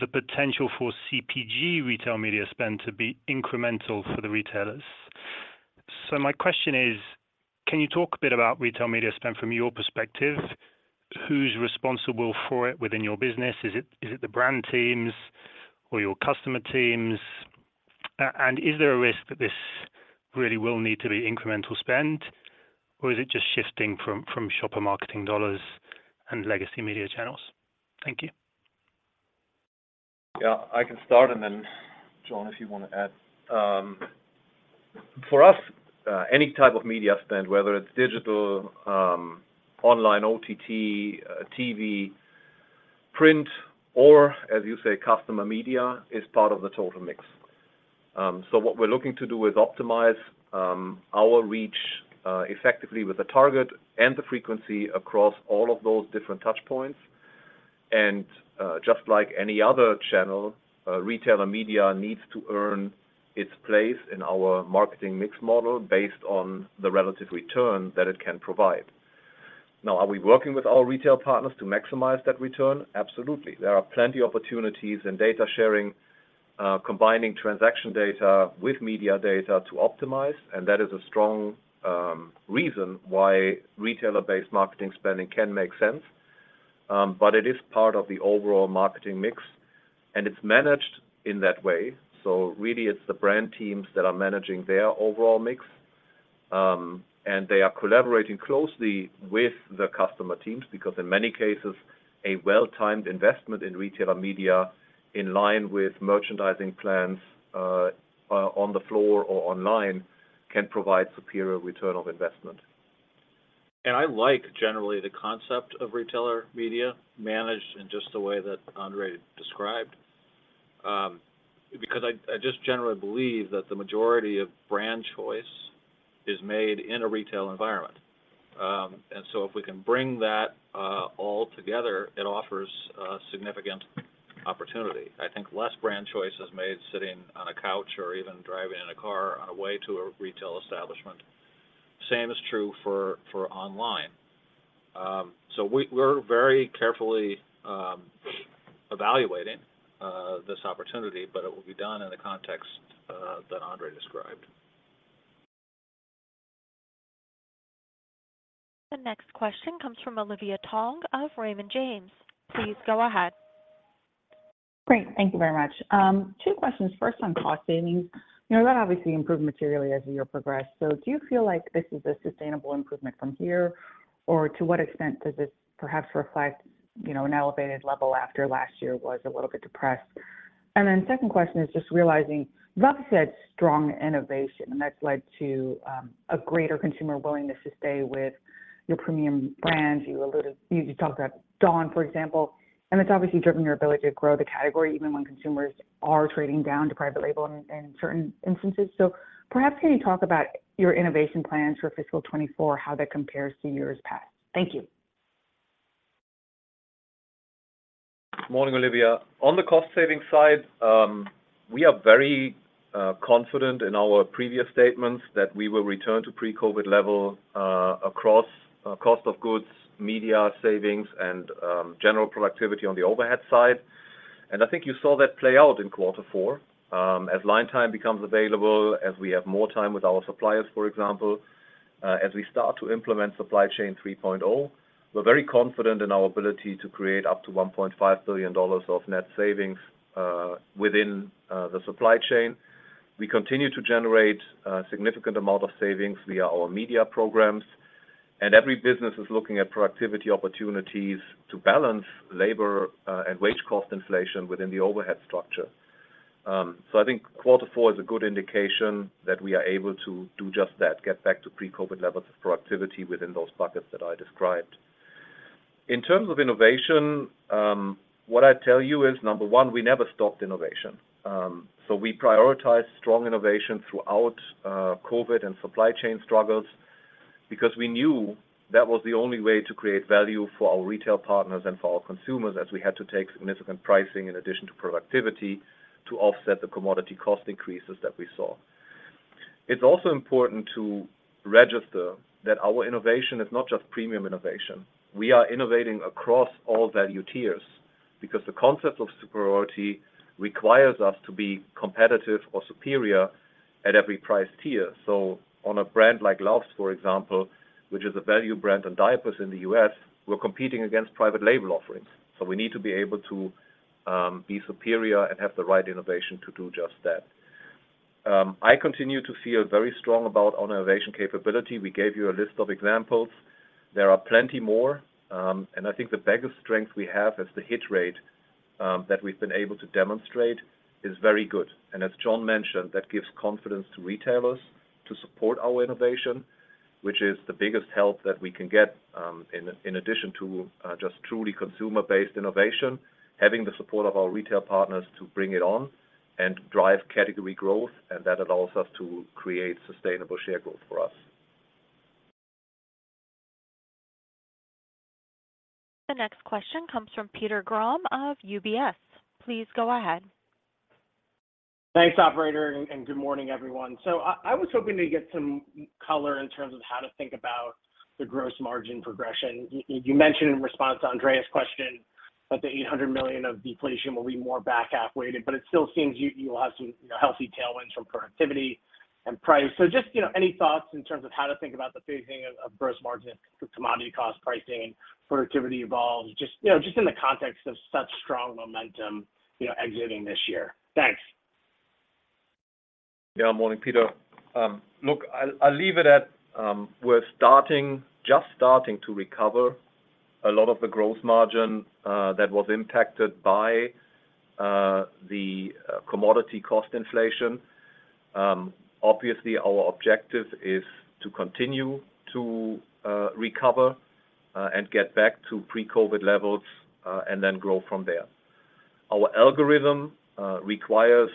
the potential for CPG retail media spend to be incremental for the retailers. My question is: Can you talk a bit about retail media spend from your perspective? Who's responsible for it within your business? Is it the brand teams or your customer teams? Is there a risk that this really will need to be incremental spend, or is it just shifting from shopper marketing dollars and legacy media channels? Thank you. Yeah, I can start, and then, Jon, if you want to add. For us, any type of media spend, whether it's digital, online, OTT, TV, print, or as you say, customer media, is part of the total mix. What we're looking to do is optimize our reach effectively with the target and the frequency across all of those different touchpoints. Just like any other channel, retailer media needs to earn its place in our marketing mix model based on the relative return that it can provide. Now, are we working with our retail partners to maximize that return? Absolutely. There are plenty of opportunities in data sharing, combining transaction data with media data to optimize, and that is a strong reason why retailer-based marketing spending can make sense. It is part of the overall marketing mix, and it's managed in that way. Really, it's the brand teams that are managing their overall mix, and they are collaborating closely with the customer teams, because in many cases, a well-timed investment in retailer media, in line with merchandising plans on the floor or online, can provide superior return of investment. I like, generally, the concept of retailer media managed in just the way that Andre described, because I, I just generally believe that the majority of brand choice is made in a retail environment. If we can bring that all together, it offers a significant opportunity. I think less brand choice is made sitting on a couch or even driving in a car on a way to a retail establishment. Same is true for, for online. We're very carefully evaluating this opportunity, but it will be done in the context that Andre described. The next question comes from Olivia Tong of Raymond James. Please go ahead. Great. Thank you very much. Two questions. First, on cost savings. You know, that obviously improved materially as the year progressed. Do you feel like this is a sustainable improvement from here? Or to what extent does this perhaps reflect, you know, an elevated level after last year was a little bit depressed? Then second question is just realizing, you've said strong innovation, and that's led to a greater consumer willingness to stay with your premium brands. You talked about Dawn, for example, and it's obviously driven your ability to grow the category, even when consumers are trading down to private label in, in certain instances. Perhaps, can you talk about your innovation plans for fiscal 2024, how that compares to years past? Thank you. Morning, Olivia. On the cost-saving side, we are very confident in our previous statements that we will return to pre-COVID level across cost of goods, media savings, and general productivity on the overhead side. I think you saw that play out in Q4. As line time becomes available, as we have more time with our suppliers, for example, as we start to implement Supply Chain 3.0, we're very confident in our ability to create up to $1.5 billion of net savings within the supply chain. We continue to generate a significant amount of savings via our media programs, and every business is looking at productivity opportunities to balance labor and wage cost inflation within the overhead structure. I think Q4 is a good indication that we are able to do just that, get back to pre-COVID levels of productivity within those buckets that I described. In terms of innovation, what I tell you is, number 1, we never stopped innovation. We prioritize strong innovation throughout COVID and supply chain struggles because we knew that was the only way to create value for our retail partners and for our consumers, as we had to take significant pricing in addition to productivity, to offset the commodity cost increases that we saw. It's also important to register that our innovation is not just premium innovation. We are innovating across all value tiers because the concept of superiority requires us to be competitive or superior at every price tier. On a brand like Luvs, for example, which is a value brand, and diapers in the U.S., we're competing against private label offerings, so we need to be able to be superior and have the right innovation to do just that. I continue to feel very strong about our innovation capability. We gave you a list of examples. There are plenty more, and I think the biggest strength we have is the hit rate that we've been able to demonstrate is very good. As Jon mentioned, that gives confidence to retailers to support our innovation, which is the biggest help that we can get in addition to just truly consumer-based innovation, having the support of our retail partners to bring it on and drive category growth, and that allows us to create sustainable share growth for us. The next question comes from Peter Grom of UBS. Please go ahead. Thanks, operator, and good morning, everyone. I was hoping to get some color in terms of how to think about the gross margin progression. You mentioned in response to Andrea's question that the $800 million of deflation will be more back-half weighted, but it still seems you will have some, you know, healthy tailwinds from productivity and price. Just, you know, any thoughts in terms of how to think about the phasing of gross margin, commodity cost, pricing, productivity involved, just, you know, in the context of such strong momentum, you know, exiting this year? Thanks. Yeah. Morning, Peter. Look, I'll, I'll leave it at, we're starting, just starting to recover a lot of the gross margin that was impacted by the commodity cost inflation. Obviously, our objective is to continue to recover and get back to pre-COVID levels and then grow from there. Our algorithm requires,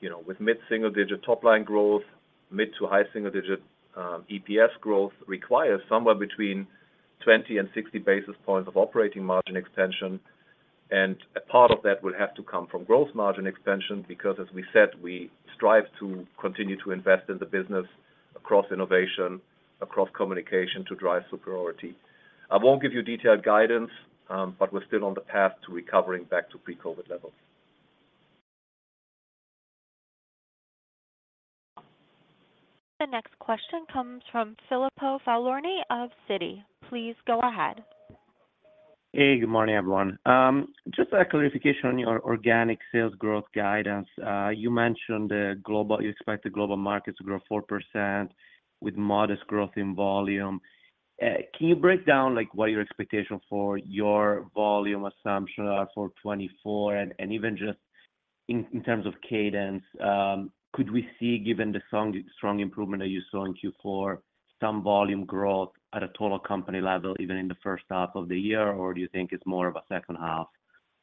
you know, with mid-single digit top-line growth, mid to high single digit EPS growth, requires somewhere between 20 and 60 basis points of operating margin expansion, and a part of that will have come from gross margin expansion, because as we said, we strive to continue to invest in the business across innovation, across communication to drive superiority. I won't give you detailed guidance, but we're still on the path to recovering back to pre-COVID levels. The next question comes from Filippo Falorni of Citi. Please go ahead. Hey, good morning, everyone. Just a clarification on your organic sales growth guidance. You mentioned the global-- you expect the global market to grow 4% with modest growth in volume. Can you break down what are your expectations for your volume assumptions are for 2024? Even just in, in terms of cadence, could we see, given the strong, strong improvement that you saw in Q4, some volume growth at a total company level, even in the first half of the year, or do you think it's more of a second half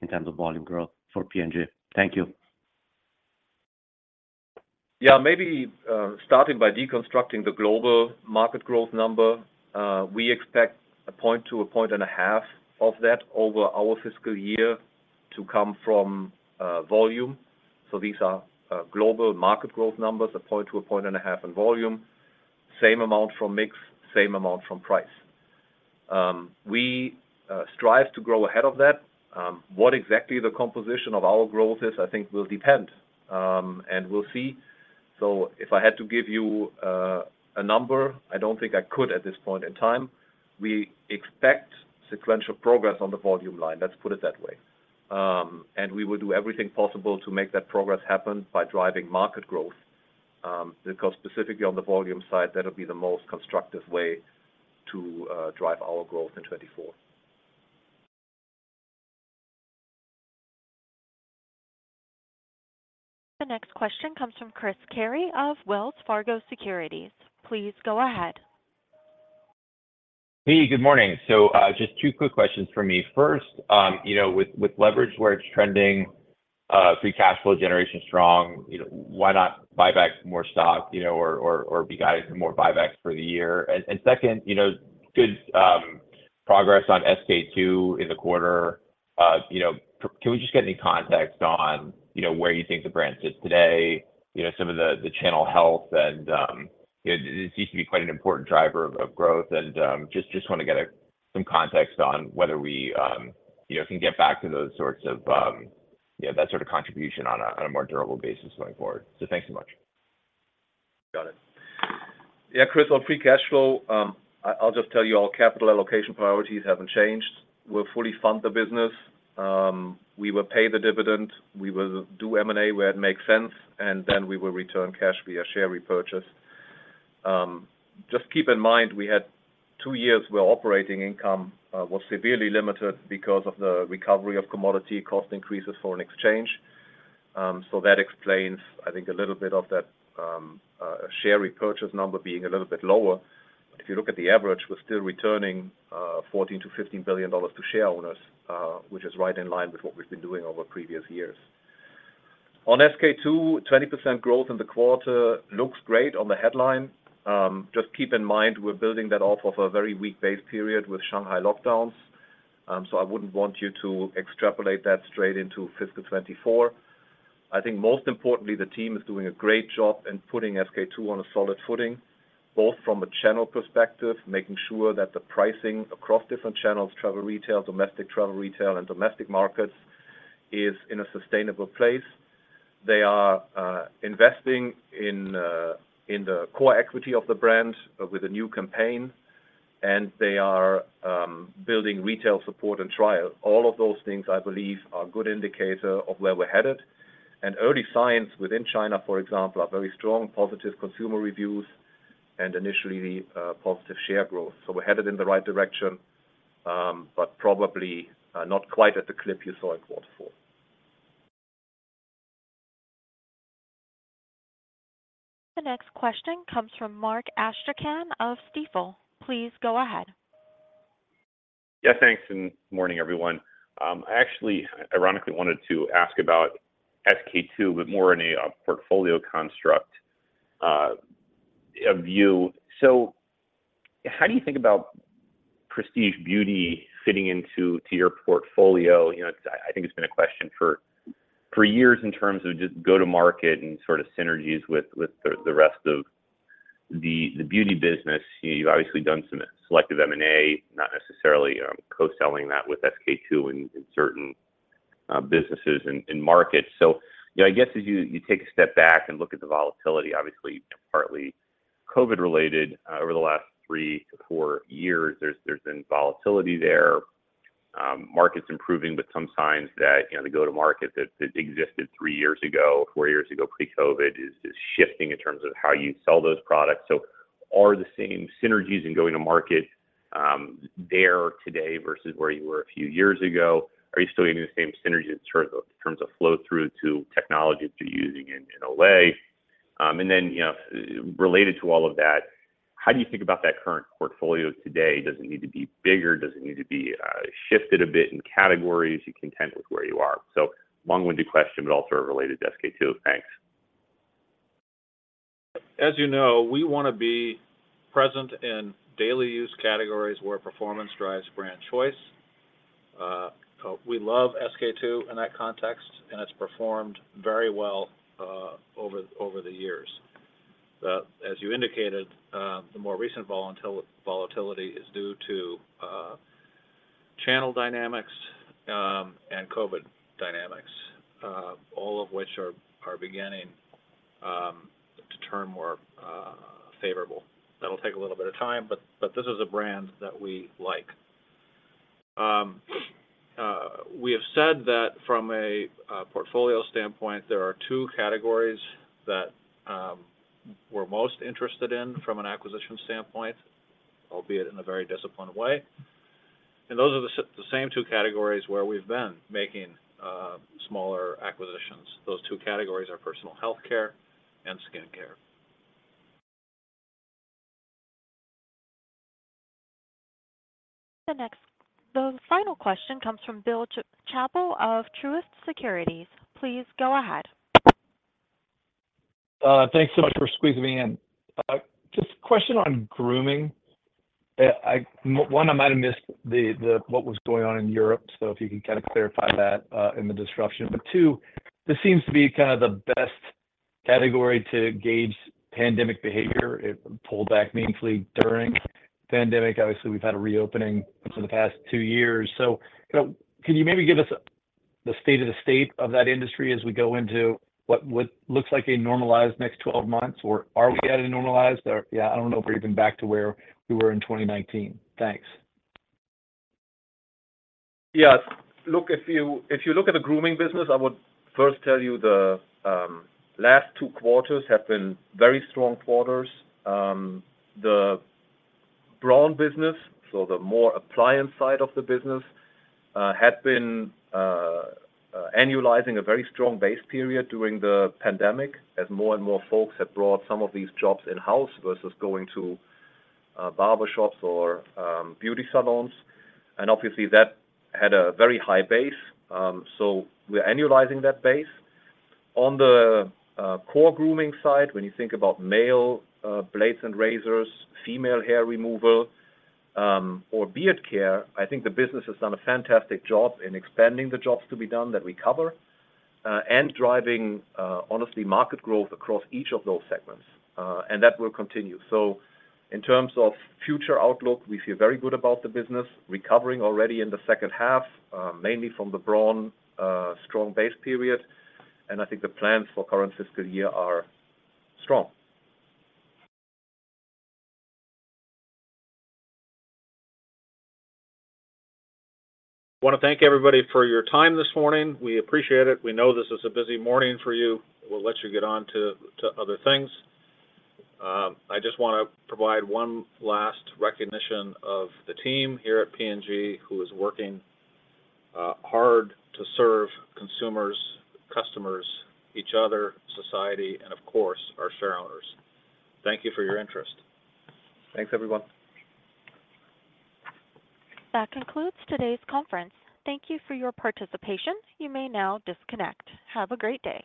in terms of volume growth for P&G? Thank you. Yeah. Maybe, starting by deconstructing the global market growth number, we expect 1 point-1.5 points of that over our fiscal year to come from, volume. These are, global market growth numbers, 1 point-1.5 points in volume, same amount from mix, same amount from price. We strive to grow ahead of that. What exactly the composition of our growth is, I think, will depend, and we'll see. If I had to give you, a number, I don't think I could at this point in time. We expect sequential progress on the volume line. Let's put it that way. We will do everything possible to make that progress happen by driving market growth, because specifically on the volume side, that'll be the most constructive way to drive our growth in 2024. The next question comes from Chris Carey of Wells Fargo Securities. Please go ahead. Hey, good morning. Just two quick questions for me. First, you know, with, with leverage where it's trending, free cash flow generation strong, you know, why not buy back more stock, you know, or, or, or be guided for more buybacks for the year? Second, you know, good progress on SK-II in the quarter. You know, can we just get any context on, you know, where you think the brand sits today, you know, some of the, the channel health and, you know, it seems to be quite an important driver of, of growth and, just, just wanna get some context on whether we, you know, can get back to those sorts of, you know, that sort of contribution on a, on a more durable basis going forward? Thanks so much. Got it. Yeah, Chris, on free cash flow, I'll just tell you all capital allocation priorities haven't changed. We'll fully fund the business, we will pay the dividend, we will do M&A where it makes sense, then we will return cash via share repurchase. Just keep in mind, we had two years where operating income was severely limited because of the recovery of commodity cost increases foreign exchange. That explains, I think, a little bit of that share repurchase number being a little bit lower. If you look at the average, we're still returning $14 billion-$15 billion to share owners, which is right in line with what we've been doing over previous years. On SK-II, 20% growth in the quarter looks great on the headline. Just keep in mind, we're building that off of a very weak base period with Shanghai lockdowns, so I wouldn't want you to extrapolate that straight into fiscal 2024. I think most importantly, the team is doing a great job in putting SK-II on a solid footing, both from a channel perspective, making sure that the pricing across different channels, travel retail, domestic travel retail, and domestic markets, is in a sustainable place. They are investing in the core equity of the brand with a new campaign, and they are building retail support and trial. All of those things, I believe, are a good indicator of where we're headed. Early signs within China, for example, are very strong, positive consumer reviews, and initially, positive share growth. We're headed in the right direction, but probably, not quite at the clip you saw in Q4. The next question comes from Mark Astrachan of Stifel. Please go ahead. Yeah, thanks, and morning, everyone. I actually, ironically, wanted to ask about SK-II, but more in a portfolio construct view. How do you think about prestige beauty fitting into your portfolio? You know, I, I think it's been a question for years in terms of just go-to market and sort of synergies with the rest of the beauty business. You've obviously done some selective M&A, not necessarily co-selling that with SK-II in certain businesses and markets. You know, I guess as you take a step back and look at the volatility, obviously, partly COVID-related, over the last three to four years, there's been volatility there. Market's improving, but some signs that, you know, the go-to market that, that existed three years ago, four years ago, pre-COVID, is, is shifting in terms of how you sell those products. Are the same synergies in going to market there today versus where you were a few years ago? Are you still getting the same synergies in terms of, in terms of flow-through to technologies you're using in, in Olay? You know, related to all of that, how do you think about that current portfolio today? Does it need to be bigger? Does it need to be shifted a bit in categories? You're content with where you are. Long-winded question, but also related to SK-II. Thanks. As you know, we want to be present in daily use categories where performance drives brand choice. We love SK-II in that context, and it's performed very well over, over the years. As you indicated, the more recent volatility is due to channel dynamics, and COVID dynamics, all of which are, are beginning to turn more favorable. That'll take a little bit of time, but, but this is a brand that we like. We have said that from a portfolio standpoint, there are two categories that we're most interested in from an acquisition standpoint, albeit in a very disciplined way. Those are the same two categories where we've been making smaller acquisitions. Those two categories are personal healthcare and skincare. The final question comes from Bill Chappell of Truist Securities. Please go ahead. Thanks so much for squeezing me in. Just a question on grooming. One, I might have missed the, the, what was going on in Europe, so if you could kinda clarify that in the disruption. Two, this seems to be kind of the best category to gauge pandemic behavior. It pulled back meaningfully during the pandemic. Obviously, we've had a reopening over the past 2 years. You know, can you maybe give us the state of the state of that industry as we go into what, what looks like a normalized next 12 months, or are we at a normalized or...? Yeah, I don't know if we're even back to where we were in 2019. Thanks. Yes. Look, if you, if you look at the grooming business, I would first tell you the last two quarters have been very strong quarters. The Braun business, so the more appliance side of the business, had been annualizing a very strong base period during the pandemic, as more and more folks have brought some of these jobs in-house versus going to barbershops or beauty salons. Obviously, that had a very high base, so we're annualizing that base. On the core grooming side, when you think about male blades and razors, female hair removal, or beard care, I think the business has done a fantastic job in expanding the jobs to be done that we cover, and driving honestly, market growth across each of those segments, and that will continue. In terms of future outlook, we feel very good about the business, recovering already in the second half, mainly from the Braun, strong base period, and I think the plans for current fiscal year are strong. I want to thank everybody for your time this morning. We appreciate it. We know this is a busy morning for you. We'll let you get on to, to other things. I just want to provide one last recognition of the team here at P&G, who is working hard to serve consumers, customers, each other, society, and of course, our shareowners. Thank you for your interest. Thanks, everyone. That concludes today's conference. Thank you for your participation. You may now disconnect. Have a great day.